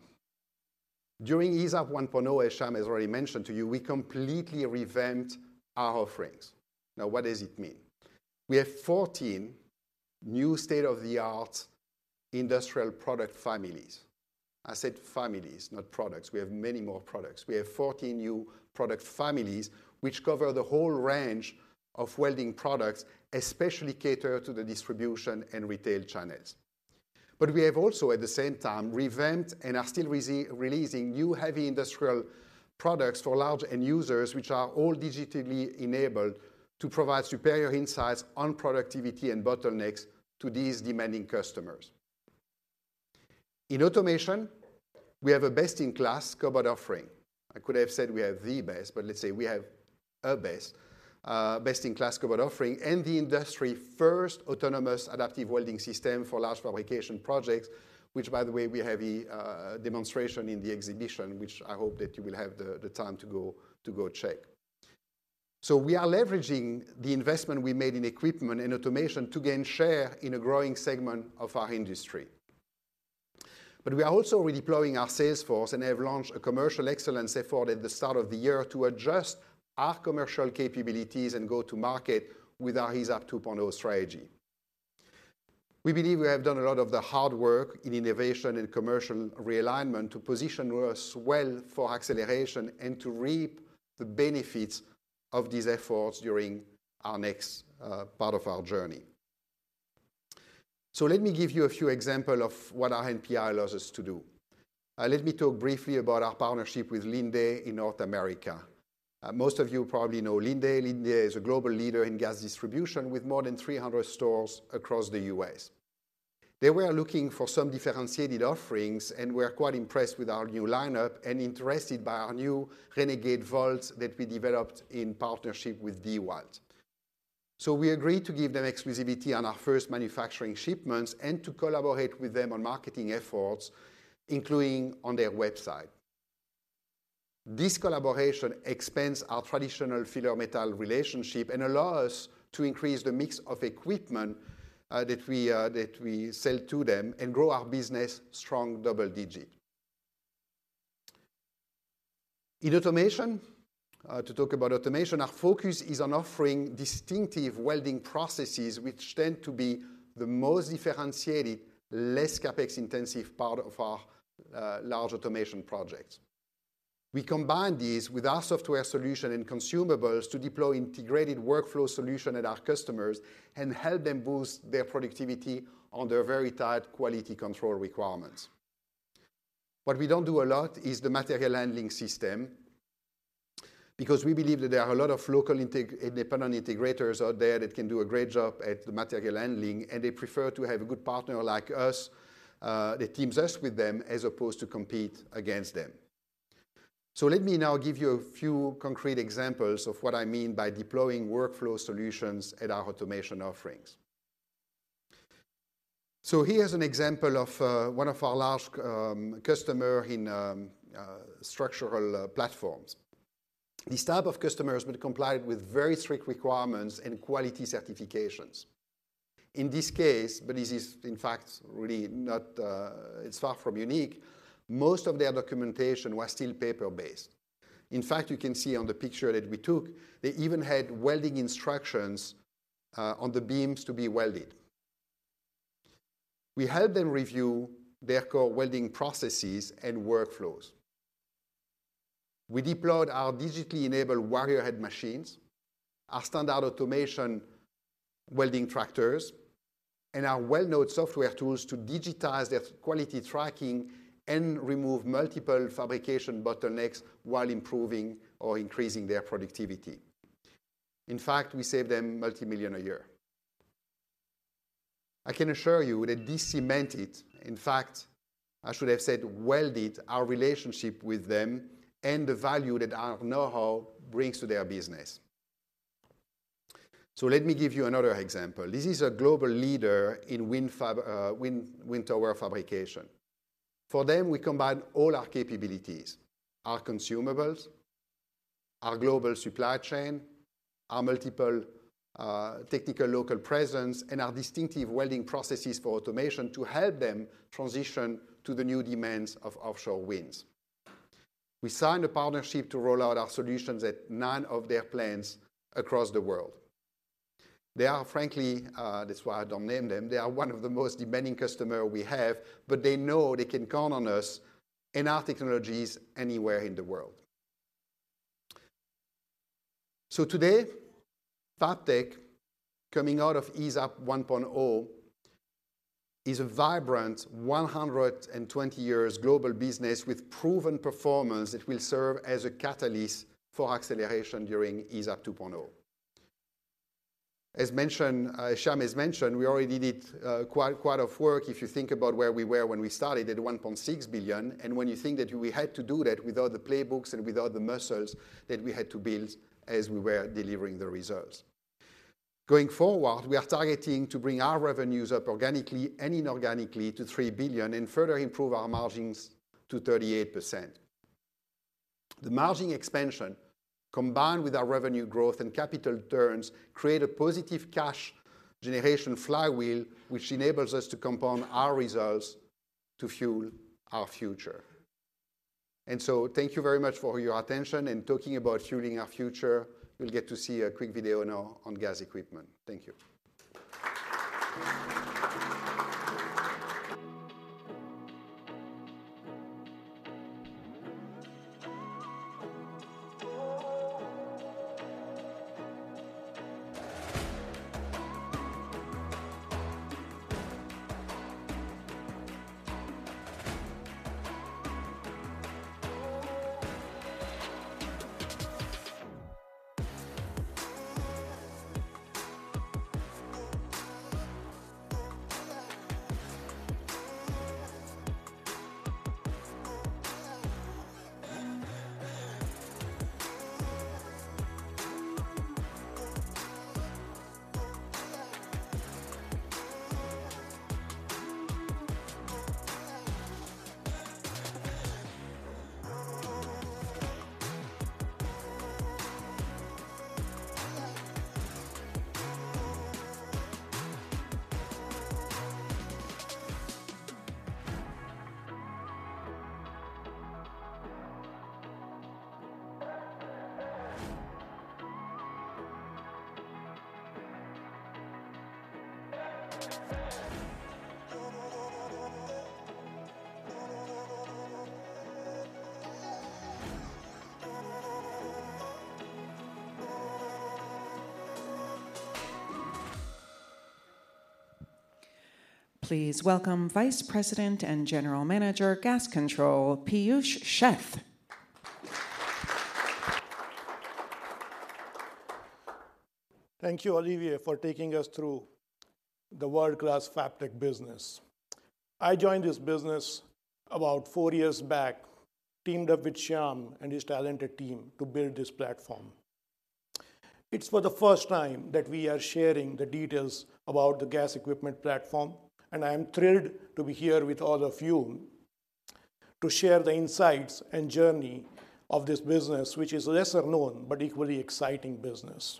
[SPEAKER 5] During ESAB 1.0, as Shyam has already mentioned to you, we completely revamped our offerings. Now, what does it mean? We have 14 new state-of-the-art industrial product families. I said families, not products. We have many more products. We have 14 new product families, which cover the whole range of welding products, especially cater to the distribution and retail channels. But we have also, at the same time, revamped and are still releasing new heavy industrial products for large end users, which are all digitally enabled to provide superior insights on productivity and bottlenecks to these demanding customers. In automation, we have a best-in-class cobot offering. I could have said we have the best, but let's say we have a best-in-class cobot offering and the industry-first autonomous adaptive welding system for large fabrication projects, which, by the way, we have a demonstration in the exhibition, which I hope that you will have the time to go check. So we are leveraging the investment we made in equipment and automation to gain share in a growing segment of our industry. But we are also redeploying our sales force and have launched a commercial excellence effort at the start of the year to adjust our commercial capabilities and go to market with our ESAB 2.0 strategy. We believe we have done a lot of the hard work in innovation and commercial realignment to position us well for acceleration and to reap the benefits of these efforts during our next, part of our journey. So let me give you a few example of what our NPI allows us to do. Let me talk briefly about our partnership with Linde in North America. Most of you probably know Linde. Linde is a global leader in gas distribution with more than 300 stores across the U.S. They were looking for some differentiated offerings and were quite impressed with our new lineup and interested by our new Renegade Volt that we developed in partnership with DeWalt. So we agreed to give them exclusivity on our first manufacturing shipments and to collaborate with them on marketing efforts, including on their website. This collaboration expands our traditional filler metal relationship and allows to increase the mix of equipment, that we, that we sell to them and grow our business strong double-digit. In automation, to talk about automation, our focus is on offering distinctive welding processes, which tend to be the most differentiated, less CapEx-intensive part of our large automation projects. We combine these with our software solution and consumables to deploy integrated workflow solution at our customers and help them boost their productivity on their very tight quality control requirements. What we don't do a lot is the material handling system, because we believe that there are a lot of local independent integrators out there that can do a great job at the material handling, and they prefer to have a good partner like us, that teams us with them as opposed to compete against them. So let me now give you a few concrete examples of what I mean by deploying workflow solutions at our automation offerings. So here's an example of one of our large customer in structural platforms. These type of customers will comply with very strict requirements and quality certifications. In this case, but this is in fact really not. It's far from unique, most of their documentation was still paper-based. In fact, you can see on the picture that we took, they even had welding instructions on the beams to be welded. We helped them review their core welding processes and workflows. We deployed our digitally enabled Warrior Edge machines, our standard automation welding tractors, and our well-known software tools to digitize their quality tracking and remove multiple fabrication bottlenecks while improving or increasing their productivity. In fact, we saved them multi-million a year. I can assure you that this cemented, in fact, I should have said, welded our relationship with them and the value that our know-how brings to their business. So let me give you another example. This is a global leader in wind tower fabrication. For them, we combined all our capabilities, our consumables, our global supply chain, our multiple technical local presence, and our distinctive welding processes for automation to help them transition to the new demands of offshore winds. We signed a partnership to roll out our solutions at 9 of their plants across the world. They are frankly that's why I don't name them. They are one of the most demanding customer we have, but they know they can count on us and our technologies anywhere in the world. So today, Fabtech, coming out of ESAB 1.0, is a vibrant 120 years global business with proven performance that will serve as a catalyst for acceleration during ESAB 2.0. As mentioned, Shyam has mentioned, we already did quite a bit of work if you think about where we were when we started at $1.6 billion, and when you think that we had to do that without the playbooks and without the muscles that we had to build as we were delivering the results. Going forward, we are targeting to bring our revenues up organically and inorganically to $3 billion and further improve our margins to 38%. The margin expansion, combined with our revenue growth and capital returns, create a positive cash generation flywheel, which enables us to compound our results to fuel our future. So thank you very much for your attention, and talking about fueling our future, you'll get to see a quick video now on gas equipment. Thank you.
[SPEAKER 3] Please welcome Vice President and General Manager, Gas Control, Piyush Sheth.
[SPEAKER 6] Thank you, Olivier, for taking us through the world-class Fabtech business. I joined this business about four years back, teamed up with Shyam and his talented team to build this platform. It's for the first time that we are sharing the details about the gas equipment platform, and I am thrilled to be here with all of you to share the insights and journey of this business, which is lesser known, but equally exciting business.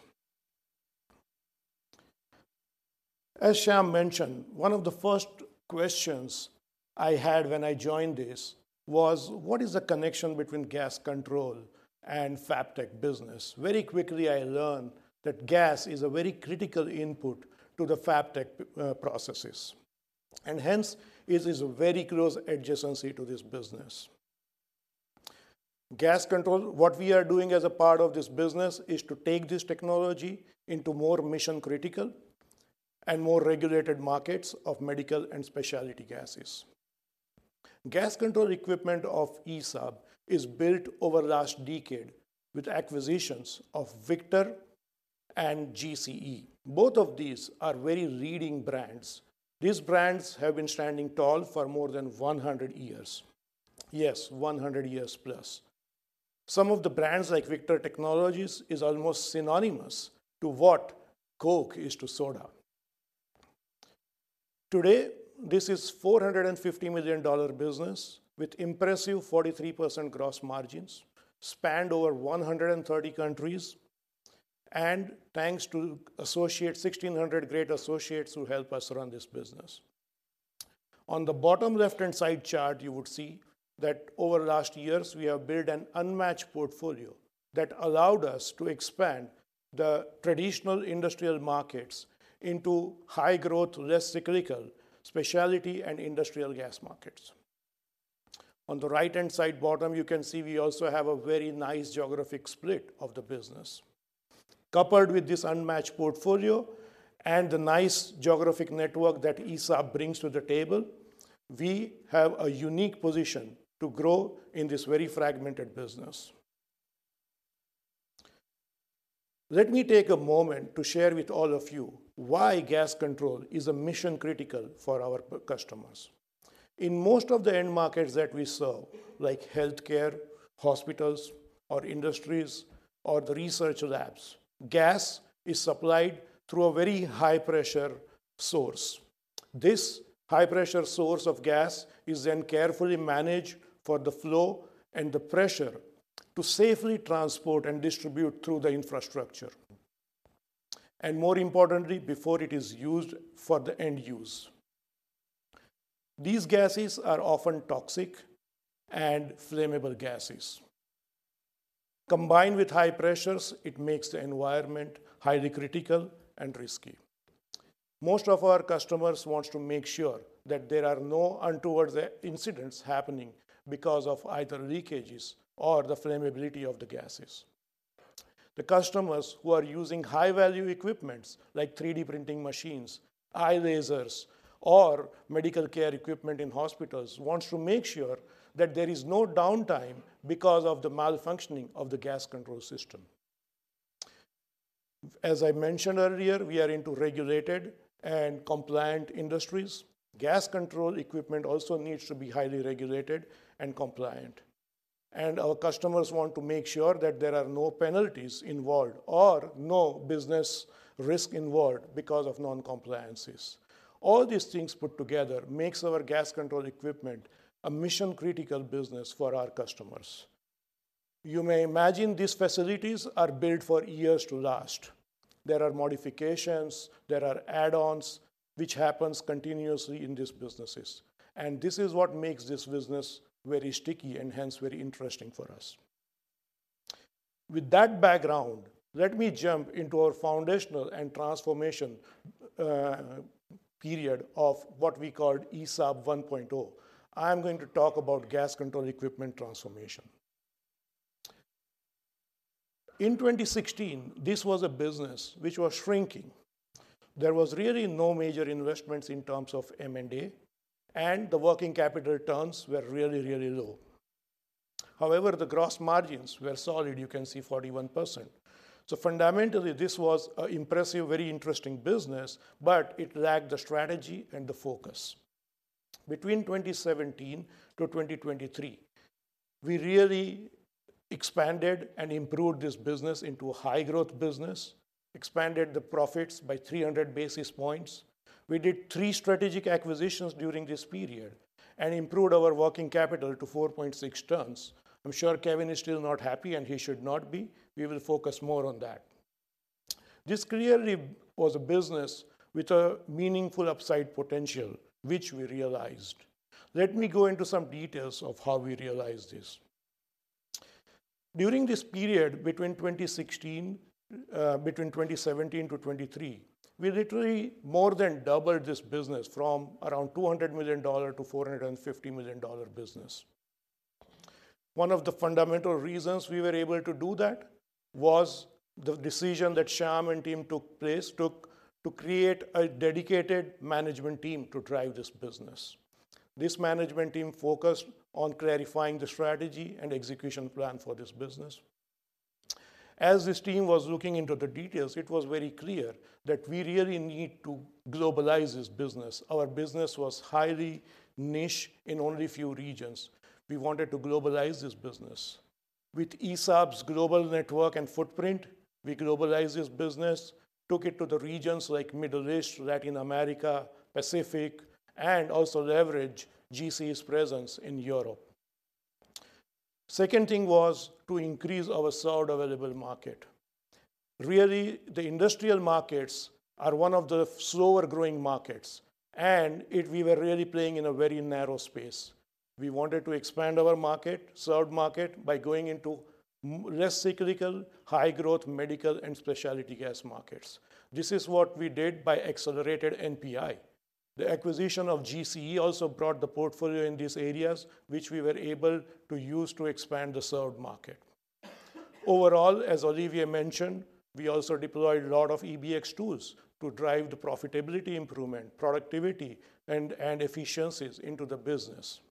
[SPEAKER 6] As Shyam mentioned, one of the first questions I had when I joined this was: What is the connection between gas control and Fabtech business? Very quickly, I learned that gas is a very critical input to the Fabtech processes, and hence, it is a very close adjacency to this business. Gas control, what we are doing as a part of this business, is to take this technology into more mission-critical and more regulated markets of medical and specialty gases. Gas control equipment of ESAB is built over last decade with acquisitions of Victor and GCE. Both of these are very leading brands. These brands have been standing tall for more than 100 years. Yes, 100 years plus. Some of the brands, like Victor Technologies, is almost synonymous to what Coke is to soda. Today, this is $450 million dollar business with impressive 43% gross margins, spanned over 130 countries, and thanks to associates, 1,600 great associates who help us run this business. On the bottom left-hand side chart, you would see that over last years, we have built an unmatched portfolio that allowed us to expand-... The traditional industrial markets into high growth, less cyclical, specialty and industrial gas markets. On the right-hand side bottom, you can see we also have a very nice geographic split of the business. Coupled with this unmatched portfolio and the nice geographic network that ESAB brings to the table, we have a unique position to grow in this very fragmented business. Let me take a moment to share with all of you why gas control is a mission critical for our business customers. In most of the end markets that we serve, like healthcare, hospitals, or industries, or the research labs, gas is supplied through a very high-pressure source. This high-pressure source of gas is then carefully managed for the flow and the pressure to safely transport and distribute through the infrastructure, and more importantly, before it is used for the end use. These gases are often toxic and flammable gases. Combined with high pressures, it makes the environment highly critical and risky. Most of our customers wants to make sure that there are no untoward incidents happening because of either leakages or the flammability of the gases. The customers who are using high-value equipments, like 3D printing machines, eye lasers, or medical care equipment in hospitals, wants to make sure that there is no downtime because of the malfunctioning of the gas control system. As I mentioned earlier, we are into regulated and compliant industries. Gas control equipment also needs to be highly regulated and compliant, and our customers want to make sure that there are no penalties involved or no business risk involved because of non-compliances. All these things put together makes our gas control equipment a mission-critical business for our customers. You may imagine these facilities are built for years to last. There are modifications, there are add-ons, which happens continuously in these businesses, and this is what makes this business very sticky and hence very interesting for us. With that background, let me jump into our foundational and transformation period of what we call ESAB 1.0. I am going to talk about gas control equipment transformation. In 2016, this was a business which was shrinking. There was really no major investments in terms of M&A, and the working capital returns were really, really low. However, the gross margins were solid, you can see 41%. So fundamentally, this was an impressive, very interesting business, but it lacked the strategy and the focus. Between 2017 to 2023, we really expanded and improved this business into a high-growth business, expanded the profits by 300 basis points. We did three strategic acquisitions during this period and improved our working capital to 4.6 turns. I'm sure Kevin is still not happy, and he should not be. We will focus more on that. This clearly was a business with a meaningful upside potential, which we realized. Let me go into some details of how we realized this. During this period between 2016, between 2017 to 2023, we literally more than doubled this business from around $200 million to $450 million business. One of the fundamental reasons we were able to do that was the decision that Shyam and team took to create a dedicated management team to drive this business. This management team focused on clarifying the strategy and execution plan for this business. As this team was looking into the details, it was very clear that we really need to globalize this business. Our business was highly niche in only a few regions. We wanted to globalize this business. With ESAB's global network and footprint, we globalized this business, took it to the regions like Middle East, Latin America, Pacific, and also leverage GCE's presence in Europe. Second thing was to increase our served available market. Really, the industrial markets are one of the slower growing markets, and we were really playing in a very narrow space. We wanted to expand our market, served market, by going into less cyclical, high growth, medical, and specialty gas markets. This is what we did by accelerated NPI. The acquisition of GCE also brought the portfolio in these areas, which we were able to use to expand the served market. Overall, as Olivier mentioned, we also deployed a lot of EBX tools to drive the profitability improvement, productivity, and efficiencies into the business.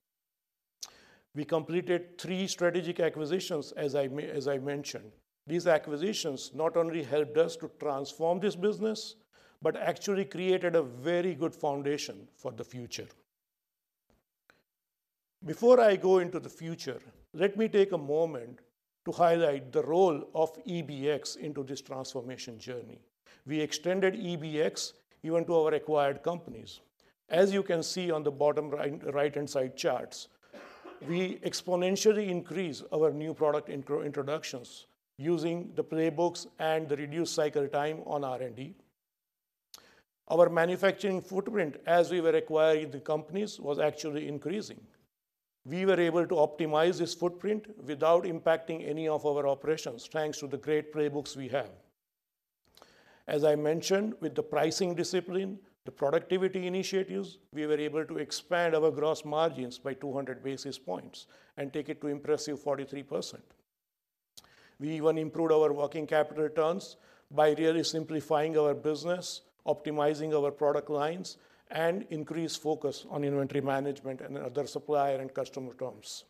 [SPEAKER 6] We completed three strategic acquisitions, as I mentioned. These acquisitions not only helped us to transform this business, but actually created a very good foundation for the future. Before I go into the future, let me take a moment to highlight the role of EBX into this transformation journey. We extended EBX even to our acquired companies. As you can see on the bottom right, right-hand side charts, we exponentially increase our new product introductions using the playbooks and the reduced cycle time on R&D.... Our manufacturing footprint as we were acquiring the companies was actually increasing. We were able to optimize this footprint without impacting any of our operations, thanks to the great playbooks we have. As I mentioned, with the pricing discipline, the productivity initiatives, we were able to expand our gross margins by 200 basis points and take it to impressive 43%. We even improved our working capital returns by really simplifying our business, optimizing our product lines, and increased focus on inventory management and other supplier and customer terms.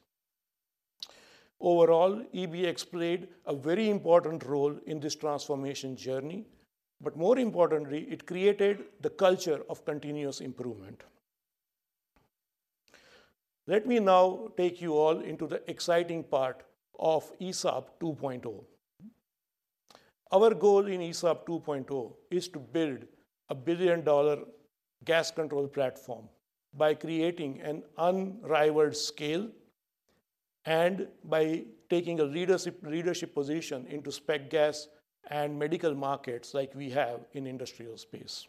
[SPEAKER 6] Overall, EBX played a very important role in this transformation journey, but more importantly, it created the culture of continuous improvement. Let me now take you all into the exciting part of ESAB 2.0. Our goal in ESAB 2.0 is to build a billion-dollar gas control platform by creating an unrivaled scale and by taking a leadership position into spec gas and medical markets like we have in industrial space.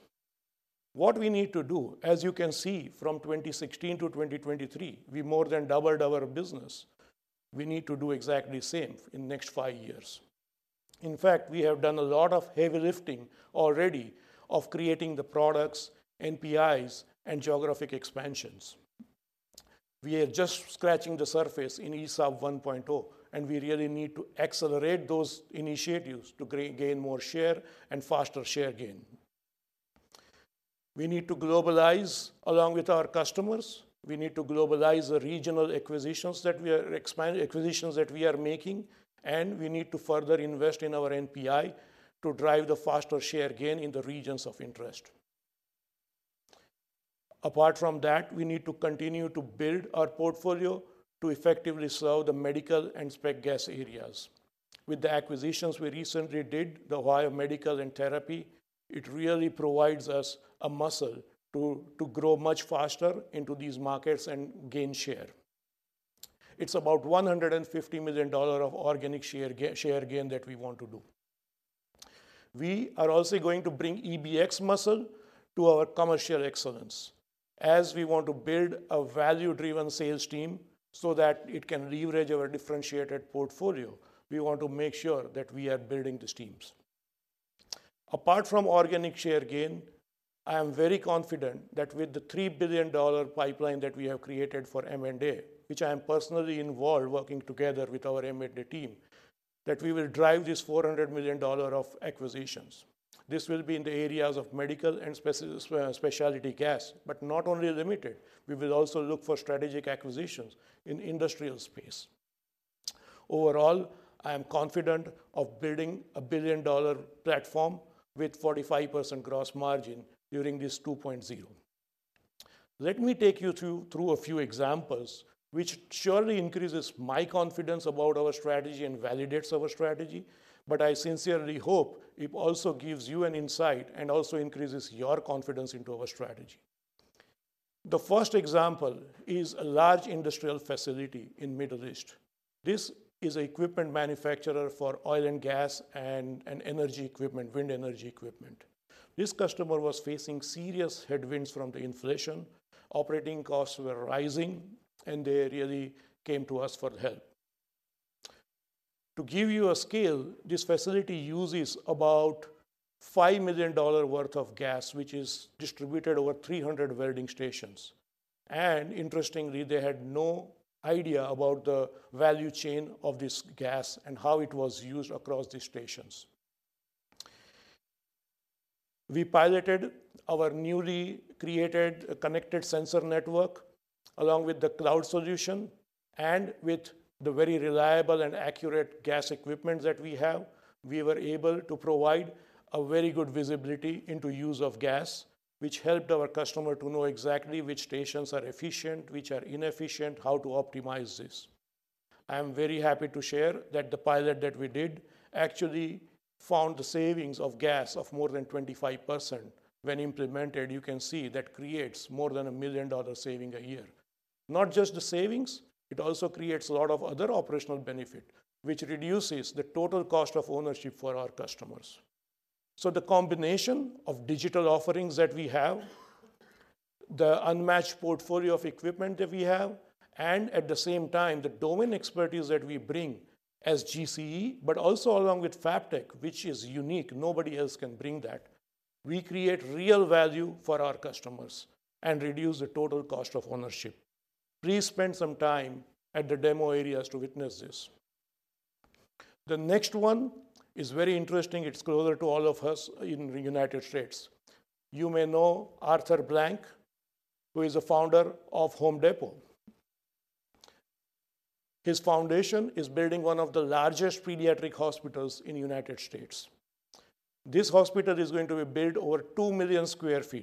[SPEAKER 6] What we need to do, as you can see from 2016 to 2023, we more than doubled our business. We need to do exactly the same in next 5 years. In fact, we have done a lot of heavy lifting already of creating the products, NPIs, and geographic expansions. We are just scratching the surface in ESAB 1.0, and we really need to accelerate those initiatives to gain more share and faster share gain. We need to globalize along with our customers. We need to globalize the regional acquisitions that we are expanding, acquisitions that we are making, and we need to further invest in our NPI to drive the faster share gain in the regions of interest. Apart from that, we need to continue to build our portfolio to effectively sell the medical and spec gas areas. With the acquisitions we recently did, the biomedical and therapy, it really provides us a muscle to grow much faster into these markets and gain share. It's about $150 million of organic share gain that we want to do. We are also going to bring EBX muscle to our commercial excellence, as we want to build a value-driven sales team so that it can leverage our differentiated portfolio. We want to make sure that we are building these teams. Apart from organic share gain, I am very confident that with the $3 billion pipeline that we have created for M&A, which I am personally involved, working together with our M&A team, that we will drive this $400 million of acquisitions. This will be in the areas of medical and specialty gas, but not only limited. We will also look for strategic acquisitions in industrial space. Overall, I am confident of building a billion-dollar platform with 45% gross margin during this 2.0. Let me take you through a few examples, which surely increases my confidence about our strategy and validates our strategy, but I sincerely hope it also gives you an insight and also increases your confidence into our strategy. The first example is a large industrial facility in Middle East. This is an equipment manufacturer for oil and gas and energy equipment, wind energy equipment. This customer was facing serious headwinds from the inflation. Operating costs were rising, and they really came to us for help. To give you a scale, this facility uses about $5 million worth of gas, which is distributed over 300 welding stations, and interestingly, they had no idea about the value chain of this gas and how it was used across these stations. We piloted our newly created connected sensor network, along with the cloud solution, and with the very reliable and accurate gas equipment that we have, we were able to provide a very good visibility into use of gas, which helped our customer to know exactly which stations are efficient, which are inefficient, how to optimize this. I am very happy to share that the pilot that we did actually found a savings of gas of more than 25%. When implemented, you can see that creates more than $1 million saving a year. Not just the savings, it also creates a lot of other operational benefit, which reduces the total cost of ownership for our customers. So the combination of digital offerings that we have, the unmatched portfolio of equipment that we have, and at the same time, the domain expertise that we bring as GCE, but also along with Fabtech, which is unique, nobody else can bring that, we create real value for our customers and reduce the total cost of ownership. Please spend some time at the demo areas to witness this. The next one is very interesting. It's closer to all of us in the United States. You may know Arthur Blank, who is a founder of Home Depot. His foundation is building one of the largest pediatric hospitals in the United States. This hospital is going to be built over 2 million sq ft.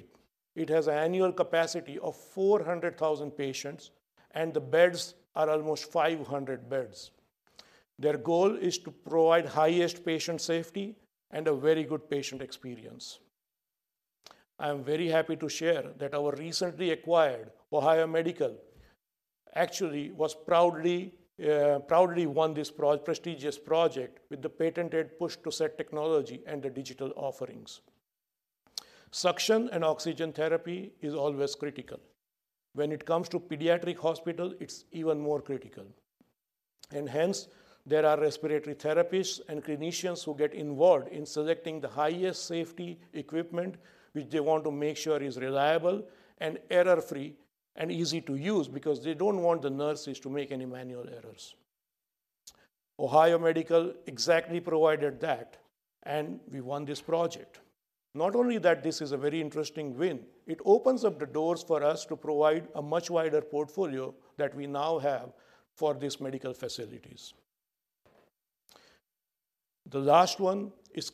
[SPEAKER 6] It has annual capacity of 400,000 patients, and the beds are almost 500 beds. Their goal is to provide highest patient safety and a very good patient experience. I am very happy to share that our recently acquired Ohio Medical actually was proudly won this prestigious project with the patented Push-To-Set technology and the digital offerings. Suction and oxygen therapy is always critical. When it comes to pediatric hospital, it's even more critical. And hence, there are respiratory therapists and clinicians who get involved in selecting the highest safety equipment, which they want to make sure is reliable and error-free and easy to use, because they don't want the nurses to make any manual errors. Ohio Medical exactly provided that, and we won this project. Not only that, this is a very interesting win. It opens up the doors for us to provide a much wider portfolio that we now have for these medical facilities. The last one is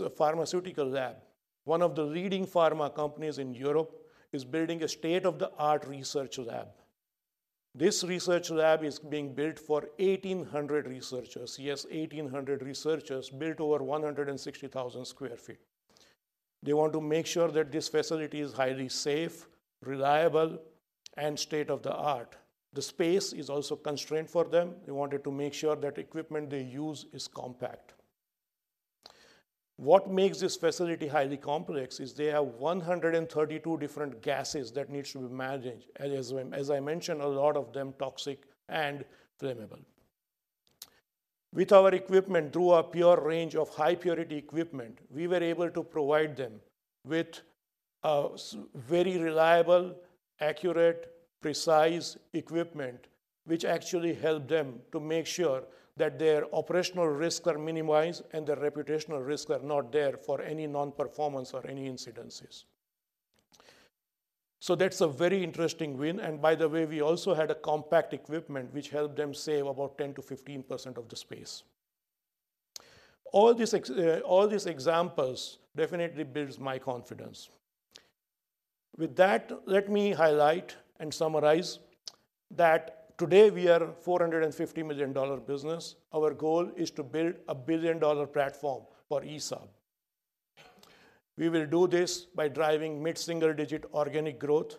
[SPEAKER 6] a pharmaceutical lab. One of the leading pharma companies in Europe is building a state-of-the-art research lab. This research lab is being built for 1,800 researchers. Yes, 1,800 researchers, built over 160,000 sq ft. They want to make sure that this facility is highly safe, reliable, and state-of-the-art. The space is also constrained for them. They wanted to make sure that equipment they use is compact. What makes this facility highly complex is they have 132 different gases that needs to be managed, and as I mentioned, a lot of them, toxic and flammable. With our equipment, through our pure range of high purity equipment, we were able to provide them with very reliable, accurate, precise equipment, which actually helped them to make sure that their operational risks are minimized and their reputational risks are not there for any non-performance or any incidences. So that's a very interesting win, and by the way, we also had a compact equipment, which helped them save about 10%-15% of the space. All these examples definitely builds my confidence. With that, let me highlight and summarize that today we are a $450 million business. Our goal is to build a billion-dollar platform for ESAB. We will do this by driving mid-single-digit organic growth,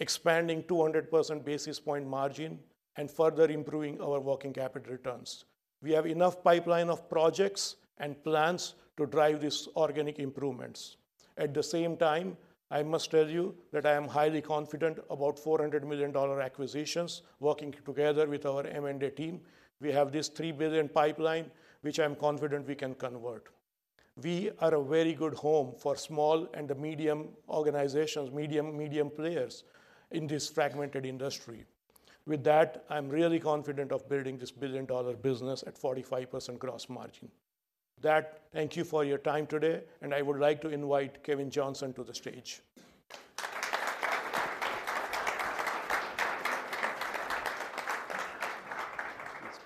[SPEAKER 6] expanding 200 basis point margin, and further improving our working capital returns. We have enough pipeline of projects and plans to drive these organic improvements. At the same time, I must tell you that I am highly confident about $400 million acquisitions. Working together with our M&A team, we have this $3 billion pipeline, which I'm confident we can convert. We are a very good home for small and medium organizations, medium, medium players, in this fragmented industry. With that, I'm really confident of building this billion-dollar business at 45% gross margin. That, thank you for your time today, and I would like to invite Kevin Johnson to the stage.
[SPEAKER 7] Thanks,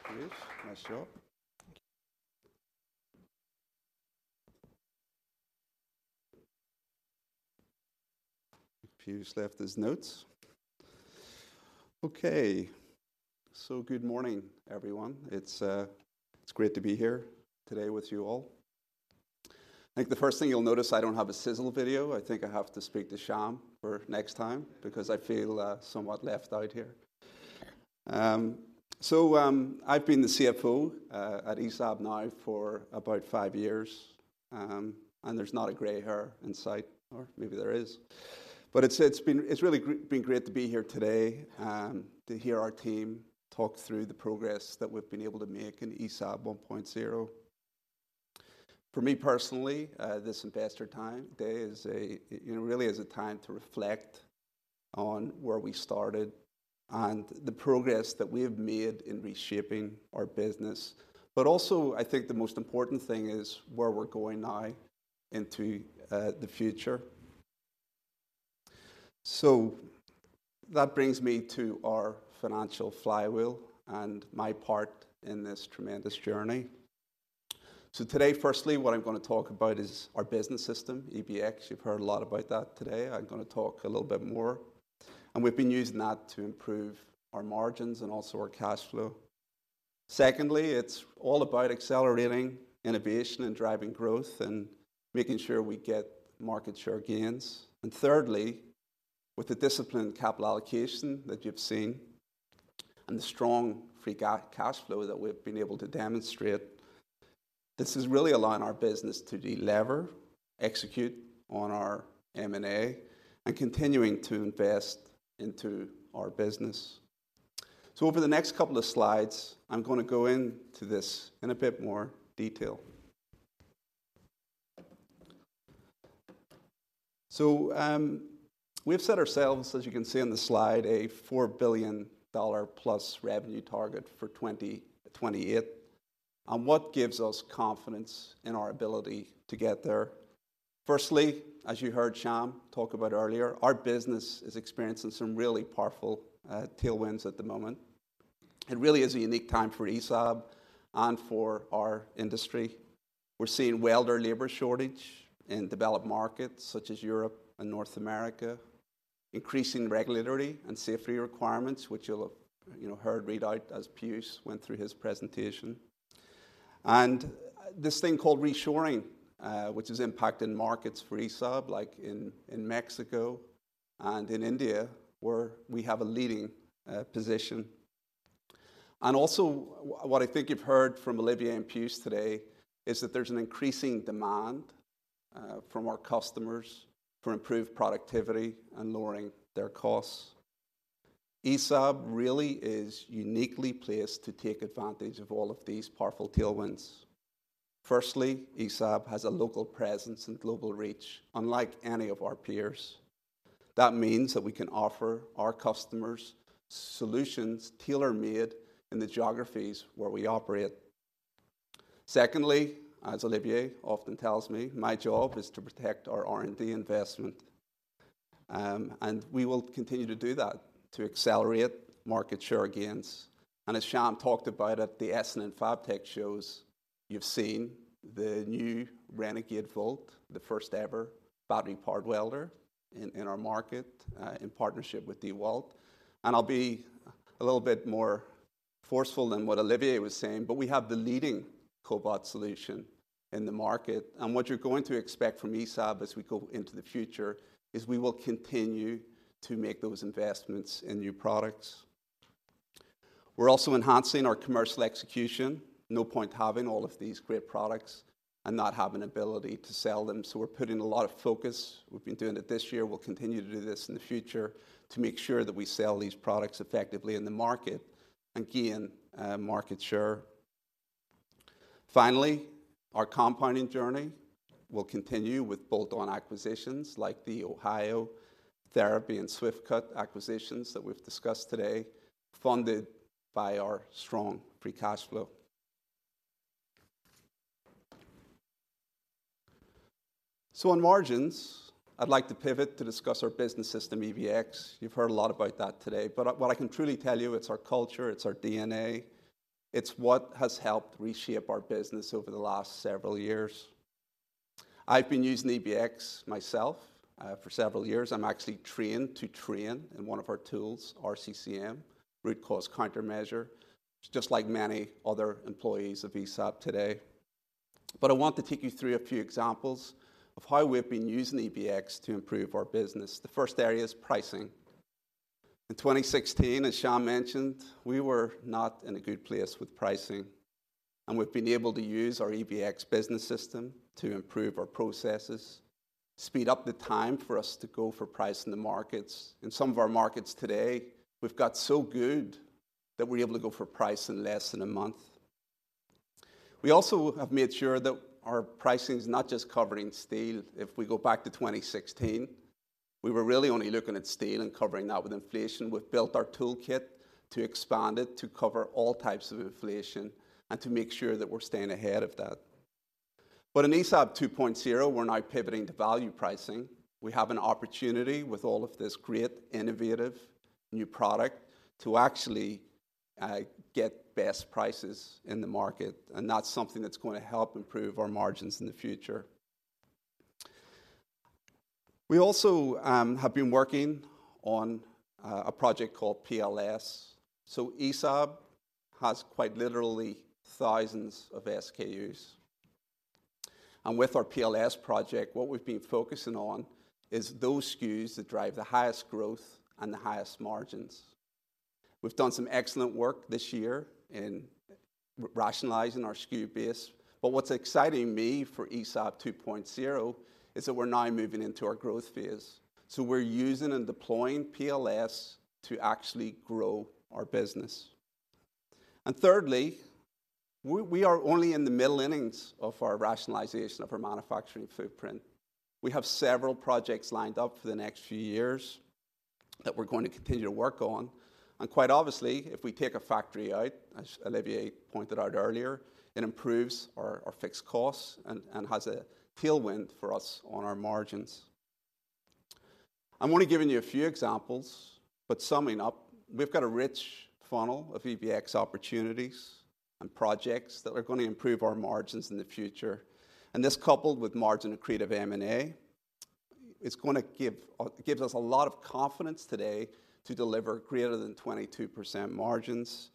[SPEAKER 7] Piyush. Nice job.
[SPEAKER 6] Thank you.
[SPEAKER 7] Piyush left his notes. Okay, so good morning, everyone. It's great to be here today with you all. I think the first thing you'll notice, I don't have a sizzle video. I think I have to speak to Shyam for next time, because I feel somewhat left out here. So, I've been the CFO at ESAB now for about five years. And there's not a gray hair in sight, or maybe there is. But it's really been great to be here today to hear our team talk through the progress that we've been able to make in ESAB 1.0. For me personally, this investor day is, you know, really a time to reflect on where we started and the progress that we have made in reshaping our business. But also, I think the most important thing is where we're going now into the future. So that brings me to our financial flywheel and my part in this tremendous journey. So today, firstly, what I'm gonna talk about is our business system, EBX. You've heard a lot about that today. I'm gonna talk a little bit more, and we've been using that to improve our margins and also our cash flow. Secondly, it's all about accelerating innovation and driving growth and making sure we get market share gains. And thirdly, with the disciplined capital allocation that you've seen and the strong free cash flow that we've been able to demonstrate, this is really allowing our business to de-lever, execute on our M&A, and continuing to invest into our business. So over the next couple of slides, I'm gonna go into this in a bit more detail. So, we've set ourselves, as you can see on the slide, a $4 billion-plus revenue target for 2028. And what gives us confidence in our ability to get there? Firstly, as you heard Shyam talk about earlier, our business is experiencing some really powerful tailwinds at the moment. It really is a unique time for ESAB and for our industry. We're seeing welder labor shortage in developed markets such as Europe and North America, increasing regulatory and safety requirements, which you'll have, you know, heard read out as Piyush went through his presentation. And this thing called reshoring, which is impacting markets for ESAB, like in Mexico and in India, where we have a leading position. Also, what I think you've heard from Olivier and Piyush today, is that there's an increasing demand from our customers for improved productivity and lowering their costs. ESAB really is uniquely placed to take advantage of all of these powerful tailwinds. Firstly, ESAB has a local presence and global reach, unlike any of our peers. That means that we can offer our customers solutions tailor-made in the geographies where we operate. Secondly, as Olivier often tells me, my job is to protect our R&D investment. We will continue to do that to accelerate market share gains. As Shyam talked about at the Essen and Fabtech shows, you've seen the new Renegade Volt, the first ever battery-powered welder in our market, in partnership with DeWalt. I'll be a little bit more forceful than what Olivier was saying, but we have the leading cobot solution in the market. What you're going to expect from ESAB as we go into the future is we will continue to make those investments in new products. We're also enhancing our commercial execution. No point having all of these great products and not have an ability to sell them, so we're putting a lot of focus. We've been doing it this year, we'll continue to do this in the future, to make sure that we sell these products effectively in the market and gain market share. Finally, our compounding journey will continue with bolt-on acquisitions like the Ohio Therapy and Swift-Cut acquisitions that we've discussed today, funded by our strong free cash flow. On margins, I'd like to pivot to discuss our business system, EBX. You've heard a lot about that today, but what I can truly tell you, it's our culture, it's our DNA, it's what has helped reshape our business over the last several years. I've been using EBX myself for several years. I'm actually trained to train in one of our tools, RCCM, Root Cause Counter Measure, just like many other employees of ESAB today. But I want to take you through a few examples of how we've been using EBX to improve our business. The first area is pricing. In 2016, as Shyam mentioned, we were not in a good place with pricing, and we've been able to use our EBX business system to improve our processes, speed up the time for us to go for price in the markets. In some of our markets today, we've got so good that we're able to go for price in less than a month. We also have made sure that our pricing is not just covering steel. If we go back to 2016, we were really only looking at steel and covering that with inflation. We've built our toolkit to expand it, to cover all types of inflation, and to make sure that we're staying ahead of that. But in ESAB 2.0, we're now pivoting to value pricing. We have an opportunity with all of this great, innovative, new product to actually get best prices in the market, and that's something that's going to help improve our margins in the future. We also have been working on a project called PLS. So ESAB has quite literally thousands of SKUs. With our PLS project, what we've been focusing on is those SKUs that drive the highest growth and the highest margins. We've done some excellent work this year in rationalizing our SKU base, but what's exciting me for ESAB 2.0, is that we're now moving into our growth phase. So we're using and deploying PLS to actually grow our business. And thirdly, we are only in the middle innings of our rationalization of our manufacturing footprint. We have several projects lined up for the next few years that we're going to continue to work on, and quite obviously, if we take a factory out, as Olivier pointed out earlier, it improves our fixed costs and has a tailwind for us on our margins. I'm only giving you a few examples, but summing up, we've got a rich funnel of EBX opportunities and projects that are going to improve our margins in the future. And this, coupled with margin accretive M&A, it's going to give, it gives us a lot of confidence today to deliver greater than 22% margins,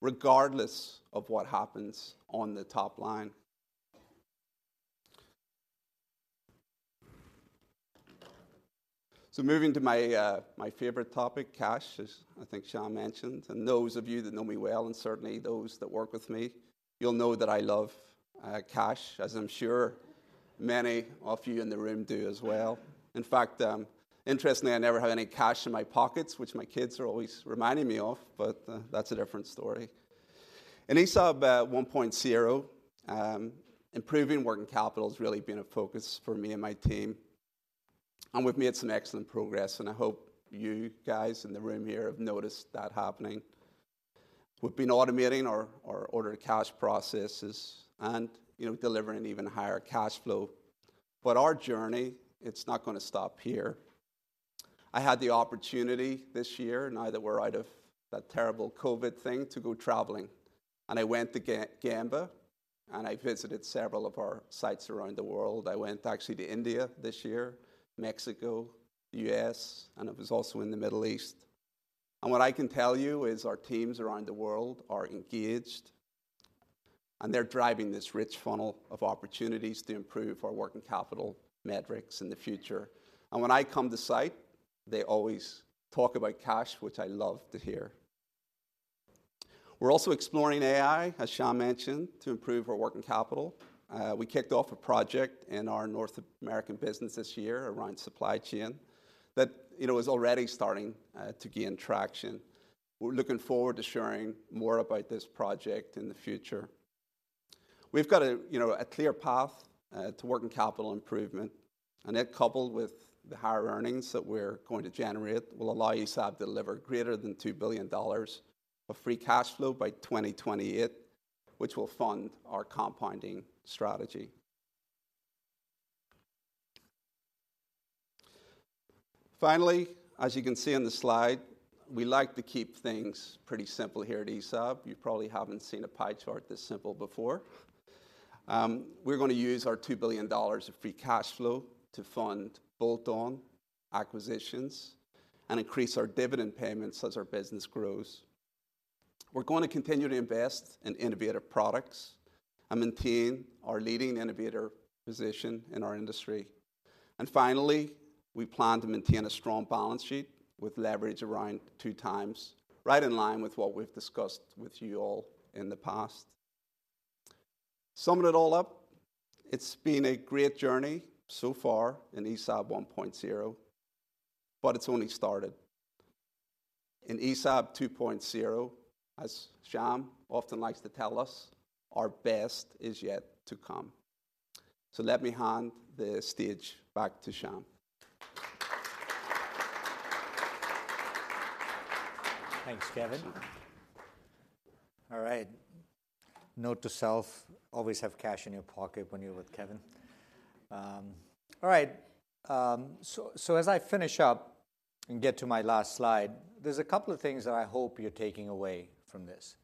[SPEAKER 7] regardless of what happens on the top line. So moving to my, my favorite topic, cash, as I think Shyam mentioned, and those of you that know me well, and certainly those that work with me, you'll know that I love, cash, as I'm sure many of you in the room do as well. In fact, interestingly, I never have any cash in my pockets, which my kids are always reminding me of, but, that's a different story. In ESAB 1.0, improving working capital has really been a focus for me and my team. We've made some excellent progress, and I hope you guys in the room here have noticed that happening. We've been automating our order to cash processes and, you know, delivering even higher cash flow. But our journey, it's not gonna stop here. I had the opportunity this year, now that we're out of that terrible COVID thing, to go traveling. I went to Gemba, and I visited several of our sites around the world. I went actually to India this year, Mexico, U.S., and I was also in the Middle East. What I can tell you is our teams around the world are engaged, and they're driving this rich funnel of opportunities to improve our working capital metrics in the future. When I come to site, they always talk about cash, which I love to hear. We're also exploring AI, as Shyam mentioned, to improve our working capital. We kicked off a project in our North American business this year around supply chain, that, you know, is already starting to gain traction. We're looking forward to sharing more about this project in the future. We've got a, you know, a clear path to working capital improvement, and that, coupled with the higher earnings that we're going to generate, will allow ESAB to deliver greater than $2 billion of free cash flow by 2028, which will fund our compounding strategy. Finally, as you can see on the slide, we like to keep things pretty simple here at ESAB. You probably haven't seen a pie chart this simple before. We're gonna use our $2 billion of free cash flow to fund bolt-on acquisitions and increase our dividend payments as our business grows. We're going to continue to invest in innovative products and maintain our leading innovator position in our industry. And finally, we plan to maintain a strong balance sheet with leverage around 2 times, right in line with what we've discussed with you all in the past. Sum it all up, it's been a great journey so far in ESAB 1.0, but it's only started. In ESAB 2.0, as Shyam often likes to tell us, "Our best is yet to come." So let me hand the stage back to Shyam.
[SPEAKER 4] Thanks, Kevin. All right. Note to self, always have cash in your pocket when you're with Kevin. All right, so as I finish up and get to my last slide, there's a couple of things that I hope you're taking away from this.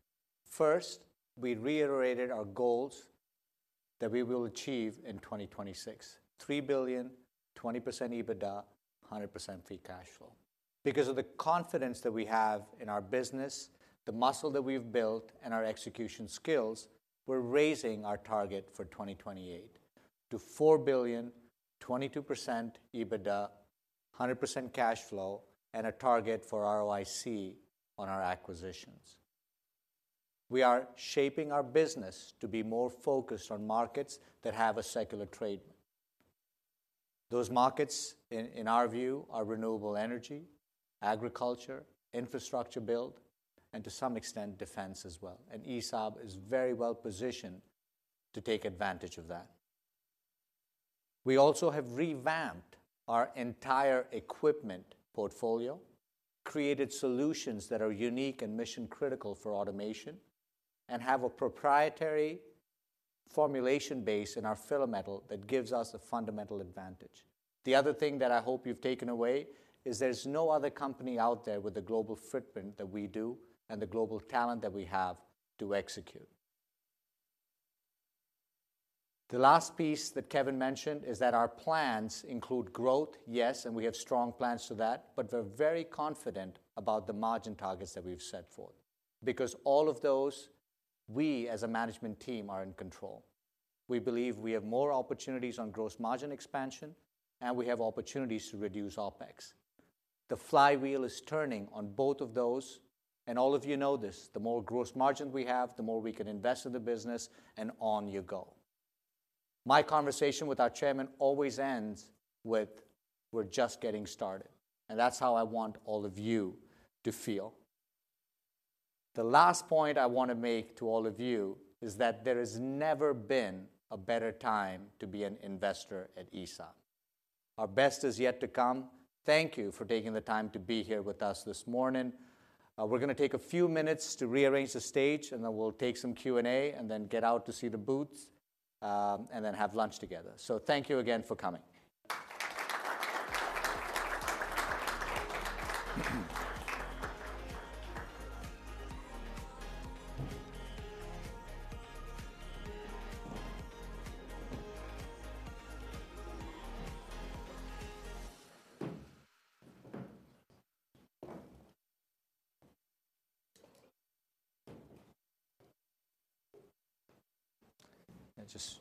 [SPEAKER 4] First, we reiterated our goals that we will achieve in 2026: $3 billion, 20% EBITDA, 100% free cash flow. Because of the confidence that we have in our business, the muscle that we've built, and our execution skills, we're raising our target for 2028 to $4 billion, 22% EBITDA, 100% cash flow, and a target for ROIC on our acquisitions. We are shaping our business to be more focused on markets that have a secular trade. Those markets, in our view, are renewable energy, agriculture, infrastructure build, and to some extent, defense as well, and ESAB is very well positioned to take advantage of that. We also have revamped our entire equipment portfolio, created solutions that are unique and mission-critical for automation, and have a proprietary formulation base in our filler metal that gives us a fundamental advantage. The other thing that I hope you've taken away is there's no other company out there with the global footprint that we do and the global talent that we have to execute. The last piece that Kevin mentioned is that our plans include growth, yes, and we have strong plans for that, but we're very confident about the margin targets that we've set forth, because all of those, we, as a management team, are in control. We believe we have more opportunities on gross margin expansion, and we have opportunities to reduce OpEx. The flywheel is turning on both of those, and all of you know this: the more gross margin we have, the more we can invest in the business, and on you go. My conversation with our chairman always ends with, "We're just getting started," and that's how I want all of you to feel. The last point I want to make to all of you is that there has never been a better time to be an investor at ESAB. Our best is yet to come. Thank you for taking the time to be here with us this morning. We're gonna take a few minutes to rearrange the stage, and then we'll take some Q&A, and then get out to see the booths, and then have lunch together. Thank you again for coming.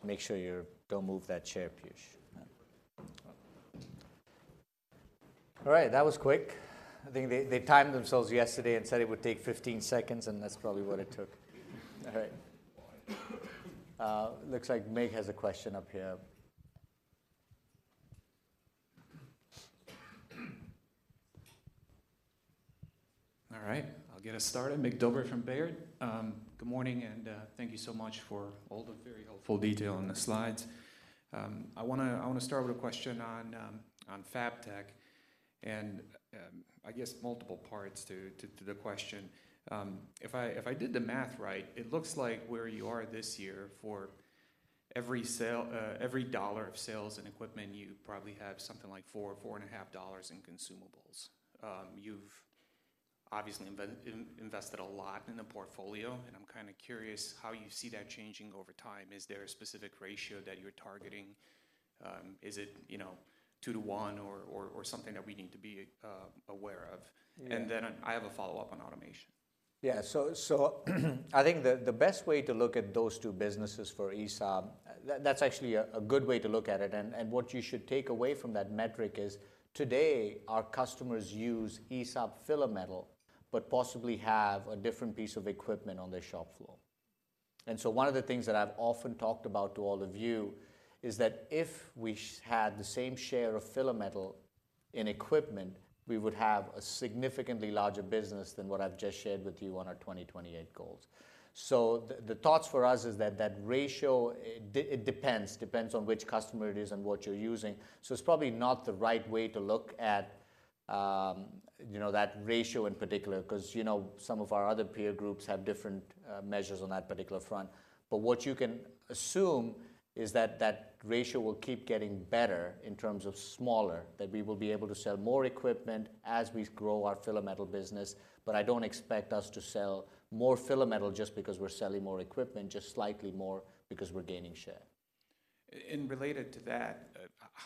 [SPEAKER 4] Just make sure you don't move that chair, Piyush. All right, that was quick. I think they, they timed themselves yesterday and said it would take 15 seconds, and that's probably what it took. All right. Looks like Mircea has a question up here.
[SPEAKER 8] All right, I'll get us started. Mircea Dobre from Baird. Good morning, and thank you so much for all the very helpful detail on the slides. I wanna start with a question on Fabtech, and I guess multiple parts to the question. If I did the math right, it looks like where you are this year for every sale, every $1 of sales and equipment, you probably have something like $4-$4.5 in consumables. You've obviously invested a lot in the portfolio, and I'm kind of curious how you see that changing over time. Is there a specific ratio that you're targeting? Is it, you know, 2 to 1 or something that we need to be aware of?
[SPEAKER 4] Yeah.
[SPEAKER 8] I have a follow-up on automation.
[SPEAKER 4] Yeah. So I think the best way to look at those two businesses for ESAB, that's actually a good way to look at it. And what you should take away from that metric is, today, our customers use ESAB filler metal, but possibly have a different piece of equipment on their shop floor. And so one of the things that I've often talked about to all of you is that if we had the same share of filler metal in equipment, we would have a significantly larger business than what I've just shared with you on our 2028 goals. So the thoughts for us is that ratio, it depends. Depends on which customer it is and what you're using. It's probably not the right way to look at, you know, that ratio in particular, 'cause, you know, some of our other peer groups have different measures on that particular front. But what you can assume is that that ratio will keep getting better in terms of smaller, that we will be able to sell more equipment as we grow our filler metal business, but I don't expect us to sell more filler metal just because we're selling more equipment, just slightly more because we're gaining share.
[SPEAKER 8] Related to that,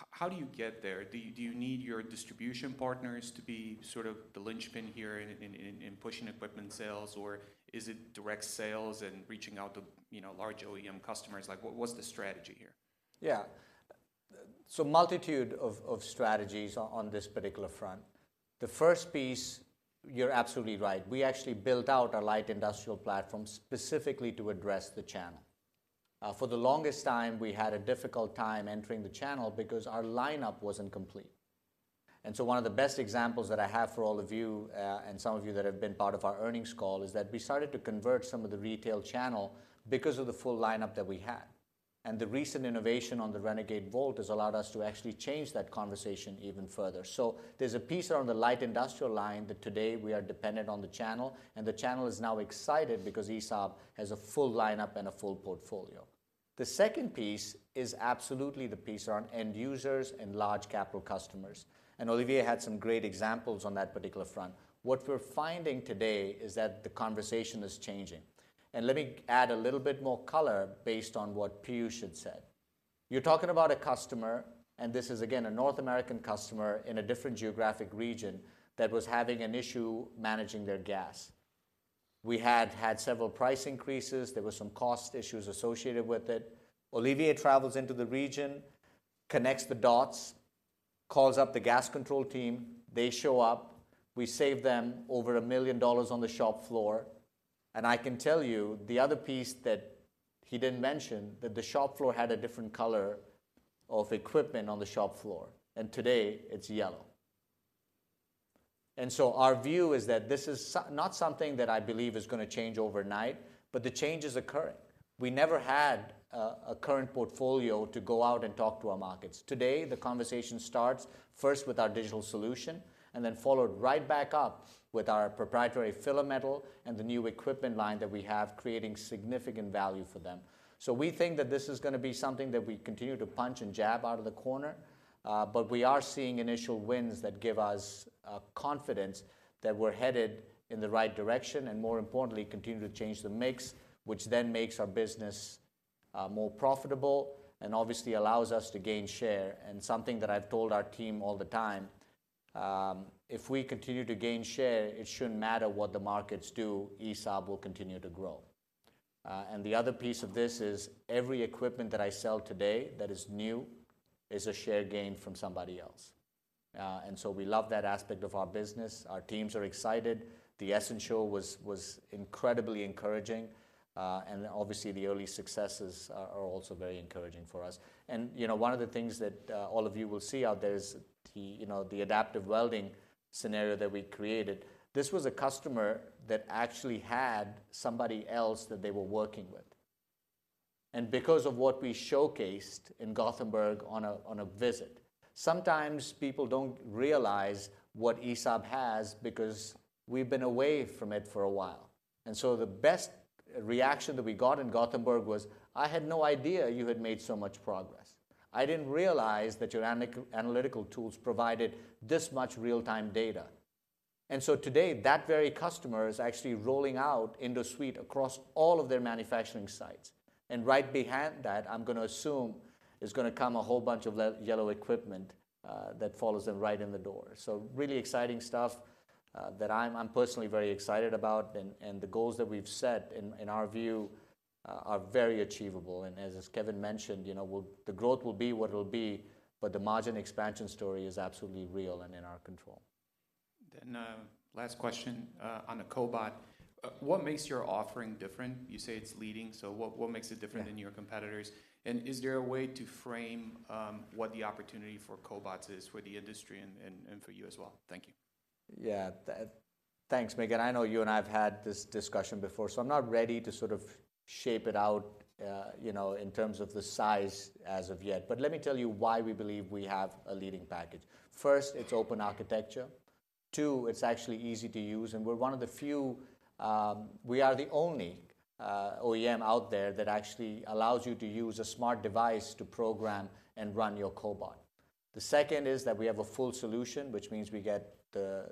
[SPEAKER 8] how do you get there? Do you need your distribution partners to be sort of the linchpin here in pushing equipment sales, or is it direct sales and reaching out to, you know, large OEM customers? Like, what's the strategy here?
[SPEAKER 4] Yeah. So multitude of strategies on this particular front. The first piece, you're absolutely right. We actually built out our light industrial platform specifically to address the channel. For the longest time, we had a difficult time entering the channel because our lineup wasn't complete. And so one of the best examples that I have for all of you, and some of you that have been part of our earnings call, is that we started to convert some of the retail channel because of the full lineup that we had. And the recent innovation on the Renegade Volt has allowed us to actually change that conversation even further. So there's a piece on the light industrial line that today we are dependent on the channel, and the channel is now excited because ESAB has a full lineup and a full portfolio. The second piece is absolutely the piece around end users and large capital customers, and Olivier had some great examples on that particular front. What we're finding today is that the conversation is changing. Let me add a little bit more color based on what Piyush had said. You're talking about a customer, and this is again, a North American customer in a different geographic region, that was having an issue managing their gas. We had had several price increases. There were some cost issues associated with it. Olivier travels into the region, connects the dots, calls up the gas control team, they show up, we save them over $1 million on the shop floor, and I can tell you, the other piece that he didn't mention, that the shop floor had a different color of equipment on the shop floor, and today it's yellow. And so our view is that this is not something that I believe is gonna change overnight, but the change is occurring. We never had a current portfolio to go out and talk to our markets. Today, the conversation starts first with our digital solution, and then followed right back up with our proprietary filler metal and the new equipment line that we have, creating significant value for them. So we think that this is gonna be something that we continue to punch and jab out of the corner, but we are seeing initial wins that give us confidence that we're headed in the right direction, and more importantly, continue to change the mix, which then makes our business more profitable and obviously allows us to gain share. And something that I've told our team all the time, if we continue to gain share, it shouldn't matter what the markets do, ESAB will continue to grow. And the other piece of this is every equipment that I sell today that is new is a share gain from somebody else, and so we love that aspect of our business. Our teams are excited. The Essen show was incredibly encouraging, and obviously, the early successes are also very encouraging for us. And, you know, one of the things that all of you will see out there is the, you know, the adaptive welding scenario that we created. This was a customer that actually had somebody else that they were working with, and because of what we showcased in Gothenburg on a visit... Sometimes people don't realize what ESAB has because we've been away from it for a while, and so the best reaction that we got in Gothenburg was: "I had no idea you had made so much progress. I didn't realize that your analytical tools provided this much real-time data." And so today, that very customer is actually rolling out InduSuite across all of their manufacturing sites, and right behind that, I'm gonna assume, is gonna come a whole bunch of yellow equipment, that follows them right in the door. So really exciting stuff, that I'm personally very excited about, and, and the goals that we've set, in, in our view, are very achievable. And as, as Kevin mentioned, you know, the growth will be what it will be, but the margin expansion story is absolutely real and in our control.
[SPEAKER 8] Then, last question, on the cobot. What makes your offering different? You say it's leading, so what, what makes it different?
[SPEAKER 4] Yeah...
[SPEAKER 8] than your competitors? And is there a way to frame what the opportunity for cobots is for the industry and for you as well? Thank you.
[SPEAKER 4] Yeah, thanks, Mircea. I know you and I have had this discussion before, so I'm not ready to sort of shape it out, you know, in terms of the size as of yet. But let me tell you why we believe we have a leading package. First, it's open architecture. Two, it's actually easy to use, and we're one of the few... we are the only OEM out there that actually allows you to use a smart device to program and run your cobot. The second is that we have a full solution, which means we get the...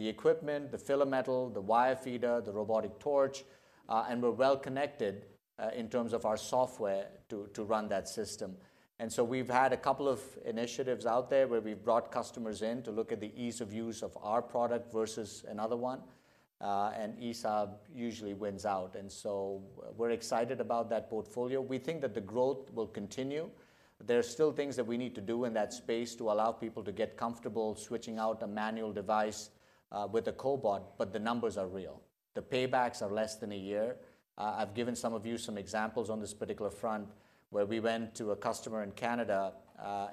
[SPEAKER 4] the equipment, the filler metal, the wire feeder, the robotic torch, and we're well connected in terms of our software to run that system. So we've had a couple of initiatives out there where we've brought customers in to look at the ease of use of our product versus another one, and ESAB usually wins out. And so we're excited about that portfolio. We think that the growth will continue. There are still things that we need to do in that space to allow people to get comfortable switching out a manual device with a cobot, but the numbers are real. The paybacks are less than a year. I've given some of you some examples on this particular front, where we went to a customer in Canada,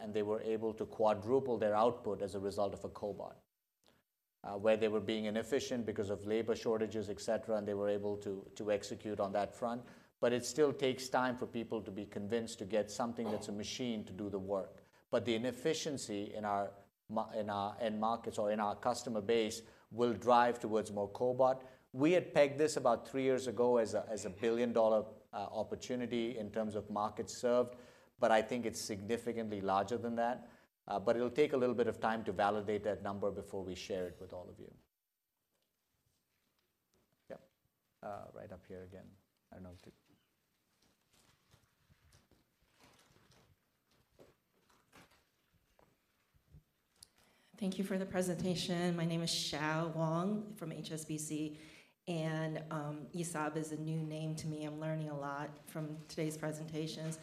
[SPEAKER 4] and they were able to quadruple their output as a result of a cobot, where they were being inefficient because of labor shortages, et cetera, and they were able to execute on that front. But it still takes time for people to be convinced to get something that's a machine to do the work. But the inefficiency in our end markets or in our customer base will drive towards more cobot. We had pegged this about three years ago as a billion-dollar opportunity in terms of market served, but I think it's significantly larger than that. But it'll take a little bit of time to validate that number before we share it with all of you. Yep, right up here again. I don't know if the-
[SPEAKER 9] Thank you for the presentation. My name is Xiao Wang from HSBC, and ESAB is a new name to me. I'm learning a lot from today's presentations.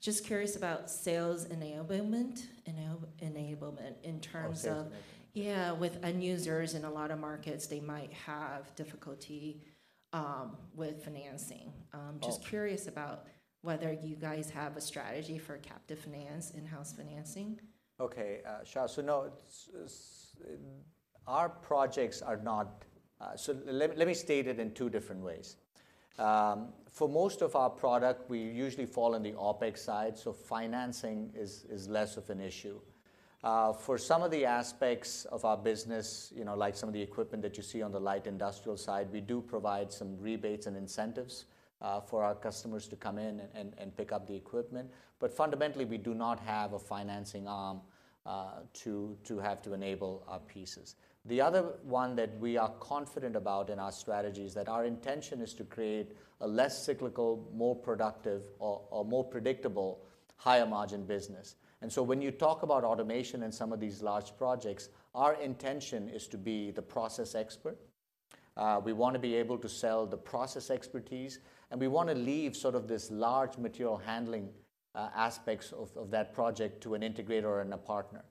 [SPEAKER 9] Just curious about sales enablement in terms of-
[SPEAKER 4] Oh, sales enablement.
[SPEAKER 9] Yeah, with end users in a lot of markets, they might have difficulty with financing.
[SPEAKER 4] Okay.
[SPEAKER 9] Just curious about whether you guys have a strategy for captive finance, in-house financing?
[SPEAKER 4] Okay, Xiao, so no, it's... Our projects are not, so let me, let me state it in two different ways. For most of our product, we usually fall on the OpEx side, so financing is, is less of an issue. For some of the aspects of our business, you know, like some of the equipment that you see on the light industrial side, we do provide some rebates and incentives, for our customers to come in and, and, and pick up the equipment. But fundamentally, we do not have a financing arm, to, to have to enable our pieces. The other one that we are confident about in our strategy is that our intention is to create a less cyclical, more productive or, or more predictable, higher margin business. When you talk about automation in some of these large projects, our intention is to be the process expert. We want to be able to sell the process expertise, and we want to leave sort of this large material handling aspects of that project to an integrator and a partner.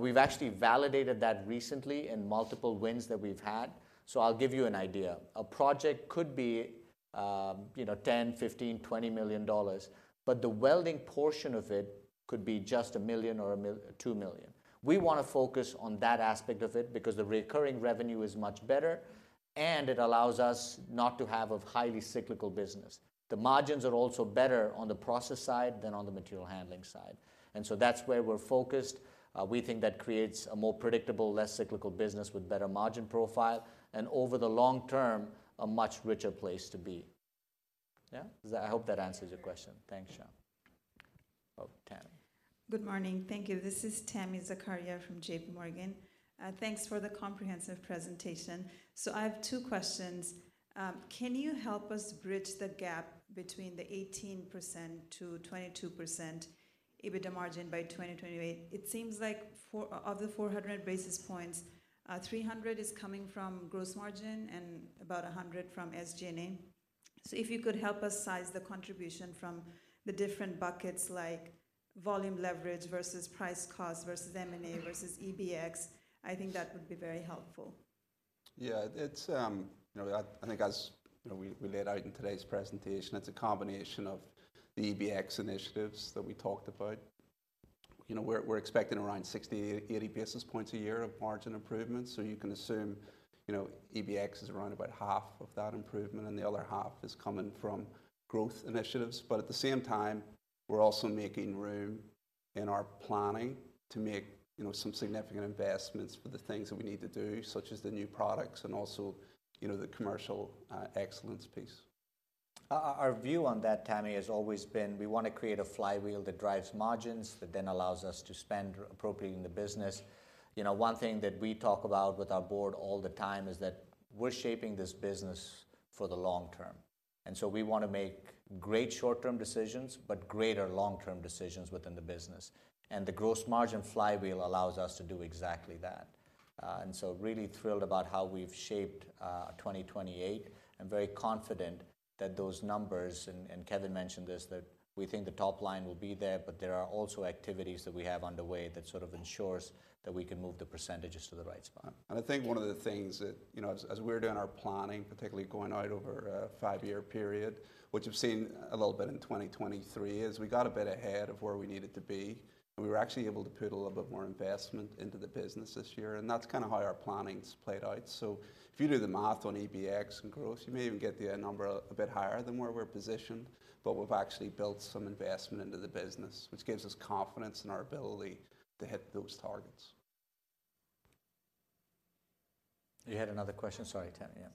[SPEAKER 4] We've actually validated that recently in multiple wins that we've had. I'll give you an idea. A project could be $10 million, $15 million, $20 million, but the welding portion of it could be just $1 million or $2 million. We want to focus on that aspect of it because the recurring revenue is much better, and it allows us not to have a highly cyclical business. The margins are also better on the process side than on the material handling side, and so that's where we're focused. We think that creates a more predictable, less cyclical business with better margin profile, and over the long term, a much richer place to be. Yeah? Does that, I hope that answers your question.
[SPEAKER 9] Sure.
[SPEAKER 4] Thanks, Xiao. Oh, Tami.
[SPEAKER 10] Good morning. Thank you. This is Tami Zakaria from JPMorgan. Thanks for the comprehensive presentation. So I have two questions. Can you help us bridge the gap between the 18%-22% EBITDA margin by 2028? It seems like four- of the 400 basis points, three hundred is coming from gross margin and about a 100 from SG&A. So if you could help us size the contribution from the different buckets like volume leverage versus price cost versus M&A versus EBX, I think that would be very helpful.
[SPEAKER 7] Yeah, it's, you know, I think as, you know, we laid out in today's presentation, it's a combination of the EBX initiatives that we talked about. You know, we're expecting around 60-80 basis points a year of margin improvement, so you can assume, you know, EBX is around about half of that improvement, and the other half is coming from growth initiatives. But at the same time, we're also making room in our planning to make, you know, some significant investments for the things that we need to do, such as the new products and also, you know, the commercial excellence piece.
[SPEAKER 4] Our view on that Tami, has always been we want to create a flywheel that drives margins, that then allows us to spend appropriately in the business. You know, one thing that we talk about with our board all the time is that we're shaping this business for the long term, and so we want to make great short-term decisions, but greater long-term decisions within the business. The gross margin flywheel allows us to do exactly that. And so really thrilled about how we've shaped 2028, and very confident that those numbers, and Kevin mentioned this, that we think the top line will be there, but there are also activities that we have underway that sort of ensures that we can move the percentages to the right spot.
[SPEAKER 7] I think one of the things that, you know, as, as we're doing our planning, particularly going out over a five-year period, which we've seen a little bit in 2023, is we got a bit ahead of where we needed to be, and we were actually able to put a little bit more investment into the business this year, and that's kind of how our planning's played out. So if you do the math on EBX and growth, you may even get the number a bit higher than where we're positioned, but we've actually built some investment into the business, which gives us confidence in our ability to hit those targets.
[SPEAKER 4] You had another question? Sorry Tami, yeah....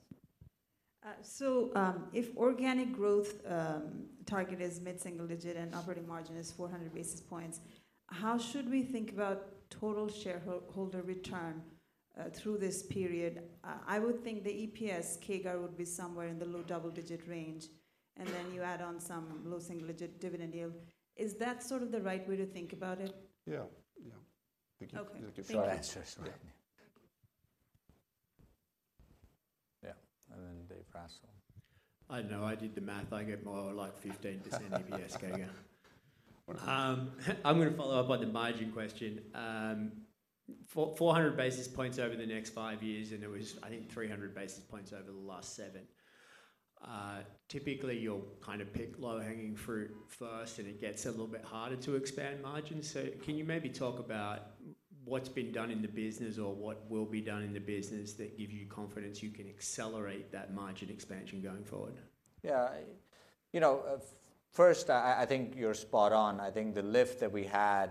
[SPEAKER 10] So, if organic growth target is mid-single digit and operating margin is 400 basis points, how should we think about total shareholder return through this period? I would think the EPS CAGR would be somewhere in the low double-digit range, and then you add on some low single-digit dividend yield. Is that sort of the right way to think about it?
[SPEAKER 4] Yeah. Yeah.
[SPEAKER 10] Okay.
[SPEAKER 4] I think you can answer.
[SPEAKER 10] Sure, sure, sure.
[SPEAKER 4] Yeah. Yeah, and then Dave Raso.
[SPEAKER 11] I know I did the math. I get more like 15% EPS CAGR. I'm gonna follow up on the margin question. 400 basis points over the next 5 years, and it was, I think, 300 basis points over the last 7. Typically, you'll kind of pick low-hanging fruit first, and it gets a little bit harder to expand margins. So can you maybe talk about what's been done in the business or what will be done in the business that give you confidence you can accelerate that margin expansion going forward?
[SPEAKER 4] Yeah. You know, first, I think you're spot on. I think the lift that we had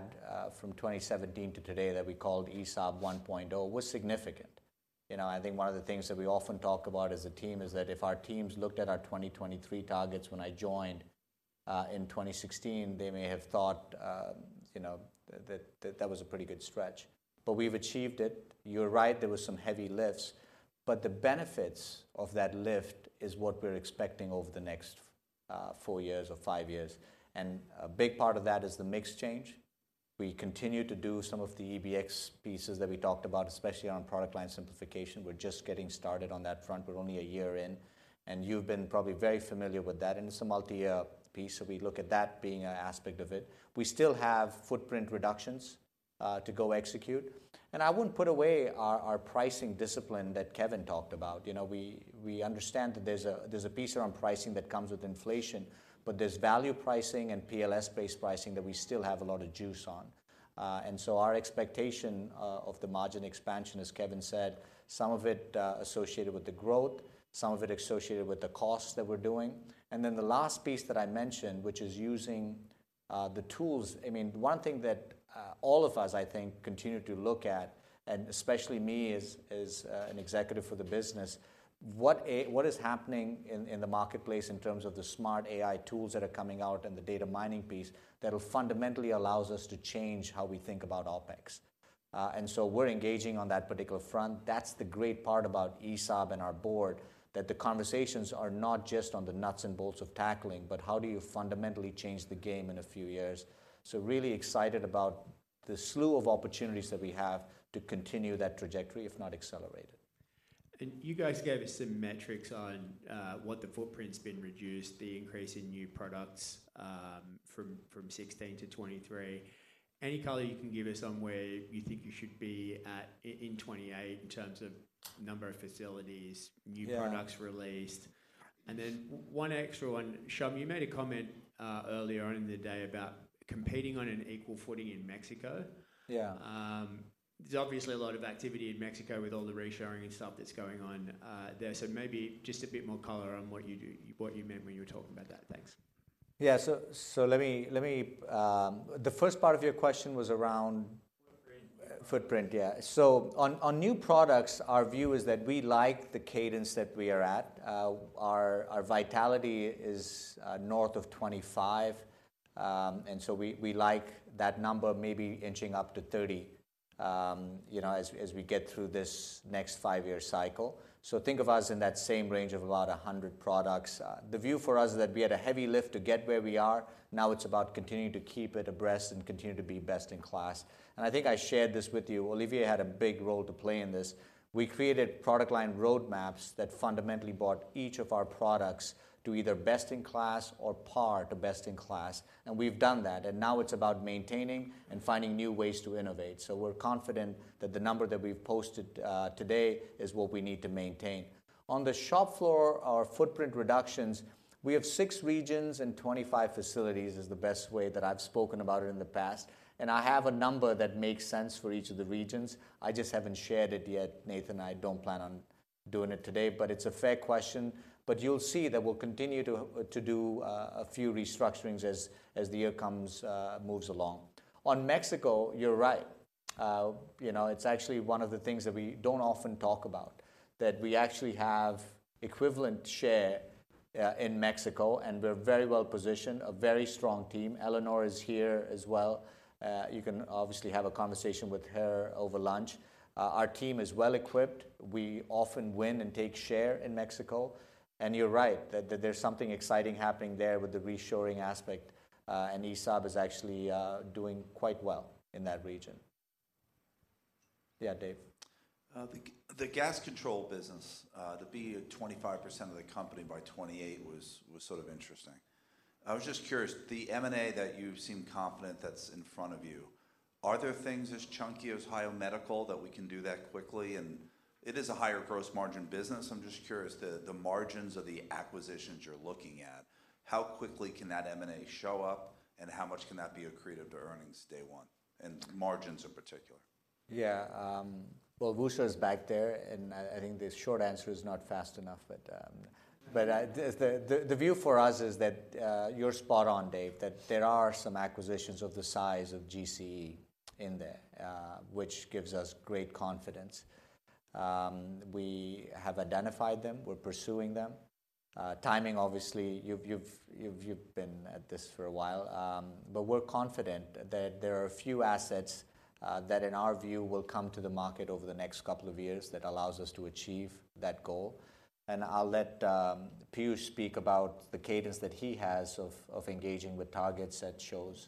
[SPEAKER 4] from 2017 to today that we called ESAB 1.0 was significant. You know, I think one of the things that we often talk about as a team is that if our teams looked at our 2023 targets when I joined in 2016, they may have thought, you know, that that was a pretty good stretch. But we've achieved it. You're right, there was some heavy lifts, but the benefits of that lift is what we're expecting over the next four years or five years, and a big part of that is the mix change. We continue to do some of the EBX pieces that we talked about, especially on product line simplification. We're just getting started on that front. We're only a year in, and you've been probably very familiar with that, and it's a multi-year piece, so we look at that being an aspect of it. We still have footprint reductions to go execute, and I wouldn't put away our pricing discipline that Kevin talked about. You know, we understand that there's a piece around pricing that comes with inflation, but there's value pricing and PLS-based pricing that we still have a lot of juice on. And so our expectation of the margin expansion, as Kevin said, some of it associated with the growth, some of it associated with the costs that we're doing. And then the last piece that I mentioned, which is using the tools... I mean, one thing that all of us, I think, continue to look at, and especially me as an executive for the business, what is happening in the marketplace in terms of the smart AI tools that are coming out and the data mining piece that will fundamentally allows us to change how we think about OpEx? And so we're engaging on that particular front. That's the great part about ESAB and our board, that the conversations are not just on the nuts and bolts of tackling, but how do you fundamentally change the game in a few years? So really excited about the slew of opportunities that we have to continue that trajectory, if not accelerate it.
[SPEAKER 11] You guys gave us some metrics on what the footprint's been reduced, the increase in new products, from 16 to 23. Any color you can give us on where you think you should be at in 28 in terms of number of facilities?
[SPEAKER 4] Yeah...
[SPEAKER 11] new products released? And then one extra one, Shyam, you made a comment earlier in the day about competing on an equal footing in Mexico.
[SPEAKER 4] Yeah.
[SPEAKER 11] There's obviously a lot of activity in Mexico with all the reshoring and stuff that's going on there, so maybe just a bit more color on what you do, what you meant when you were talking about that. Thanks.
[SPEAKER 4] Yeah, so let me. The first part of your question was around?
[SPEAKER 11] Footprint.
[SPEAKER 4] Footprint, yeah. So on, on new products, our view is that we like the cadence that we are at. Our, our vitality is north of 25, and so we, we like that number maybe inching up to 30, you know, as, as we get through this next five-year cycle. So think of us in that same range of about 100 products. The view for us is that we had a heavy lift to get where we are. Now it's about continuing to keep it abreast and continue to be best in class. And I think I shared this with you. Olivier had a big role to play in this. We created product line roadmaps that fundamentally brought each of our products to either best in class or par to best in class, and we've done that, and now it's about maintaining and finding new ways to innovate. So we're confident that the number that we've posted today is what we need to maintain. On the shop floor, our footprint reductions, we have six regions and 25 facilities, is the best way that I've spoken about it in the past, and I have a number that makes sense for each of the regions. I just haven't shared it yet, Nathan, I don't plan on doing it today, but it's a fair question. But you'll see that we'll continue to do a few restructurings as the year moves along. On Mexico, you're right. You know, it's actually one of the things that we don't often talk about, that we actually have equivalent share in Mexico, and we're very well positioned, a very strong team. Eleanor is here as well. You can obviously have a conversation with her over lunch. Our team is well-equipped. We often win and take share in Mexico, and you're right, that there's something exciting happening there with the reshoring aspect, and ESAB is actually doing quite well in that region. Yeah, Dave?
[SPEAKER 11] The gas control business to be at 25% of the company by 2028 was sort of interesting. I was just curious, the M&A that you seem confident that's in front of you, are there things as chunky as Ohio Medical that we can do that quickly? And it is a higher gross margin business. I'm just curious, the margins of the acquisitions you're looking at, how quickly can that M&A show up, and how much can that be accretive to earnings day one, and margins in particular?
[SPEAKER 4] Yeah, well, Piyush is back there, and I think the short answer is not fast enough, but, but the view for us is that you're spot on, Dave, that there are some acquisitions of the size of GCE in there, which gives us great confidence. We have identified them. We're pursuing them. Timing, obviously, you've been at this for a while, but we're confident that there are a few assets that in our view, will come to the market over the next couple of years that allows us to achieve that goal. And I'll let Piyush speak about the cadence that he has of engaging with targets at shows.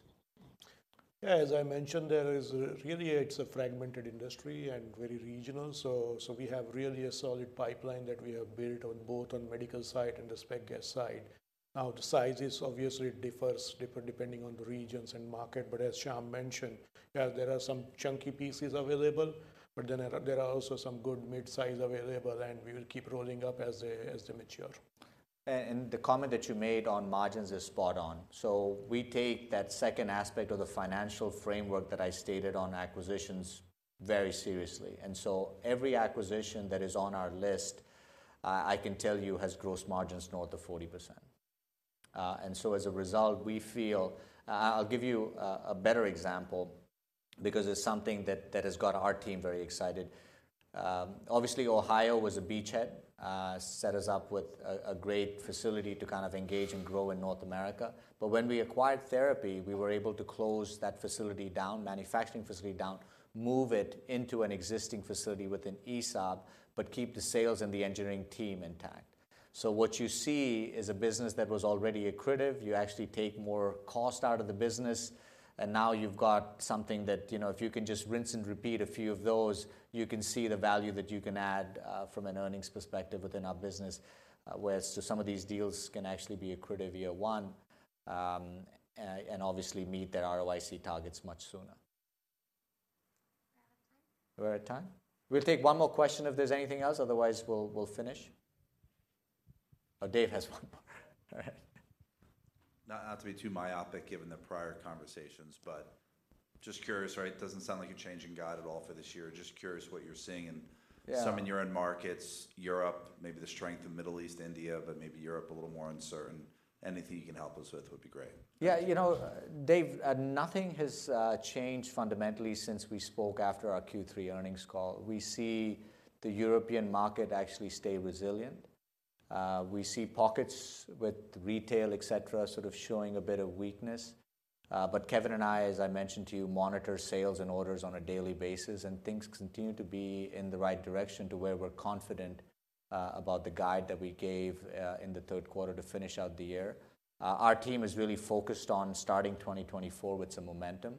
[SPEAKER 6] Yeah, as I mentioned, there is really a fragmented industry and very regional, so we have really a solid pipeline that we have built on both on medical side and the spec gas side. Now, the sizes obviously differ depending on the regions and market, but as Shyam mentioned, yeah, there are some chunky pieces available, but then there are also some good midsize available, and we will keep rolling up as they mature.
[SPEAKER 4] The comment that you made on margins is spot on. So we take that second aspect of the financial framework that I stated on acquisitions very seriously, and so every acquisition that is on our list, I can tell you, has gross margins north of 40%. And so as a result, we feel. I'll give you a better example because it's something that has got our team very excited. Obviously, Ohio was a beachhead, set us up with a great facility to kind of engage and grow in North America. But when we acquired Therapy, we were able to close that facility down, manufacturing facility down, move it into an existing facility within ESAB, but keep the sales and the engineering team intact. So what you see is a business that was already accretive. You actually take more cost out of the business, and now you've got something that, you know, if you can just rinse and repeat a few of those, you can see the value that you can add from an earnings perspective within our business. Whereas to some of these deals can actually be accretive year one, and obviously, meet their ROIC targets much sooner.
[SPEAKER 3] We're out of time.
[SPEAKER 4] We're out of time? We'll take one more question if there's anything else, otherwise, we'll, we'll finish. Oh, Dave has one more. All right.
[SPEAKER 11] Not to be too myopic, given the prior conversations, but just curious, right? It doesn't sound like you're changing guidance at all for this year. Just curious what you're seeing in-
[SPEAKER 4] Yeah...
[SPEAKER 11] some of your end markets, Europe, maybe the strength of Middle East, India, but maybe Europe, a little more uncertain. Anything you can help us with would be great.
[SPEAKER 4] Yeah, you know, Dave, nothing has changed fundamentally since we spoke after our Q3 earnings call. We see the European market actually stay resilient. We see pockets with retail, et cetera, sort of showing a bit of weakness. But Kevin and I, as I mentioned to you, monitor sales and orders on a daily basis, and things continue to be in the right direction to where we're confident about the guide that we gave in the Q3 to finish out the year. Our team is really focused on starting 2024 with some momentum.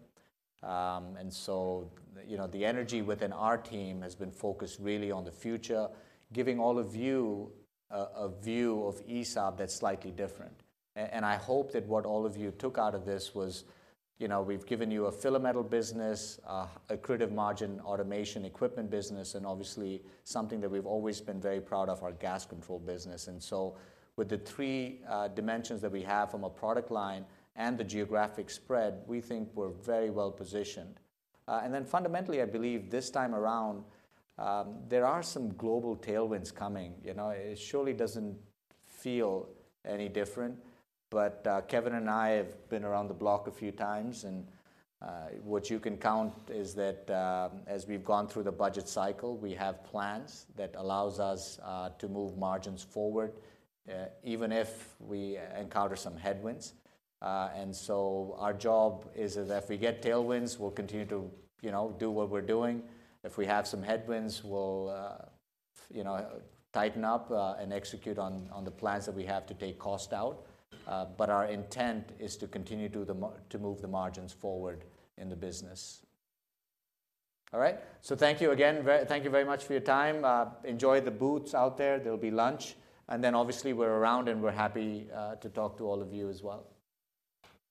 [SPEAKER 4] And so, you know, the energy within our team has been focused really on the future, giving all of you a view of ESAB that's slightly different. I hope that what all of you took out of this was, you know, we've given you a filler metals business, accretive margin automation equipment business, and obviously, something that we've always been very proud of, our gas control business. And so with the three dimensions that we have from a product line and the geographic spread, we think we're very well positioned. And then fundamentally, I believe this time around, there are some global tailwinds coming. You know, it surely doesn't feel any different, but, Kevin and I have been around the block a few times, and, what you can count is that, as we've gone through the budget cycle, we have plans that allows us to move margins forward, even if we encounter some headwinds. So our job is that if we get tailwinds, we'll continue to, you know, do what we're doing. If we have some headwinds, we'll, you know, tighten up, and execute on the plans that we have to take cost out. But our intent is to continue to move the margins forward in the business. All right? So thank you again. Thank you very much for your time. Enjoy the booths out there. There'll be lunch, and then obviously, we're around, and we're happy to talk to all of you as well.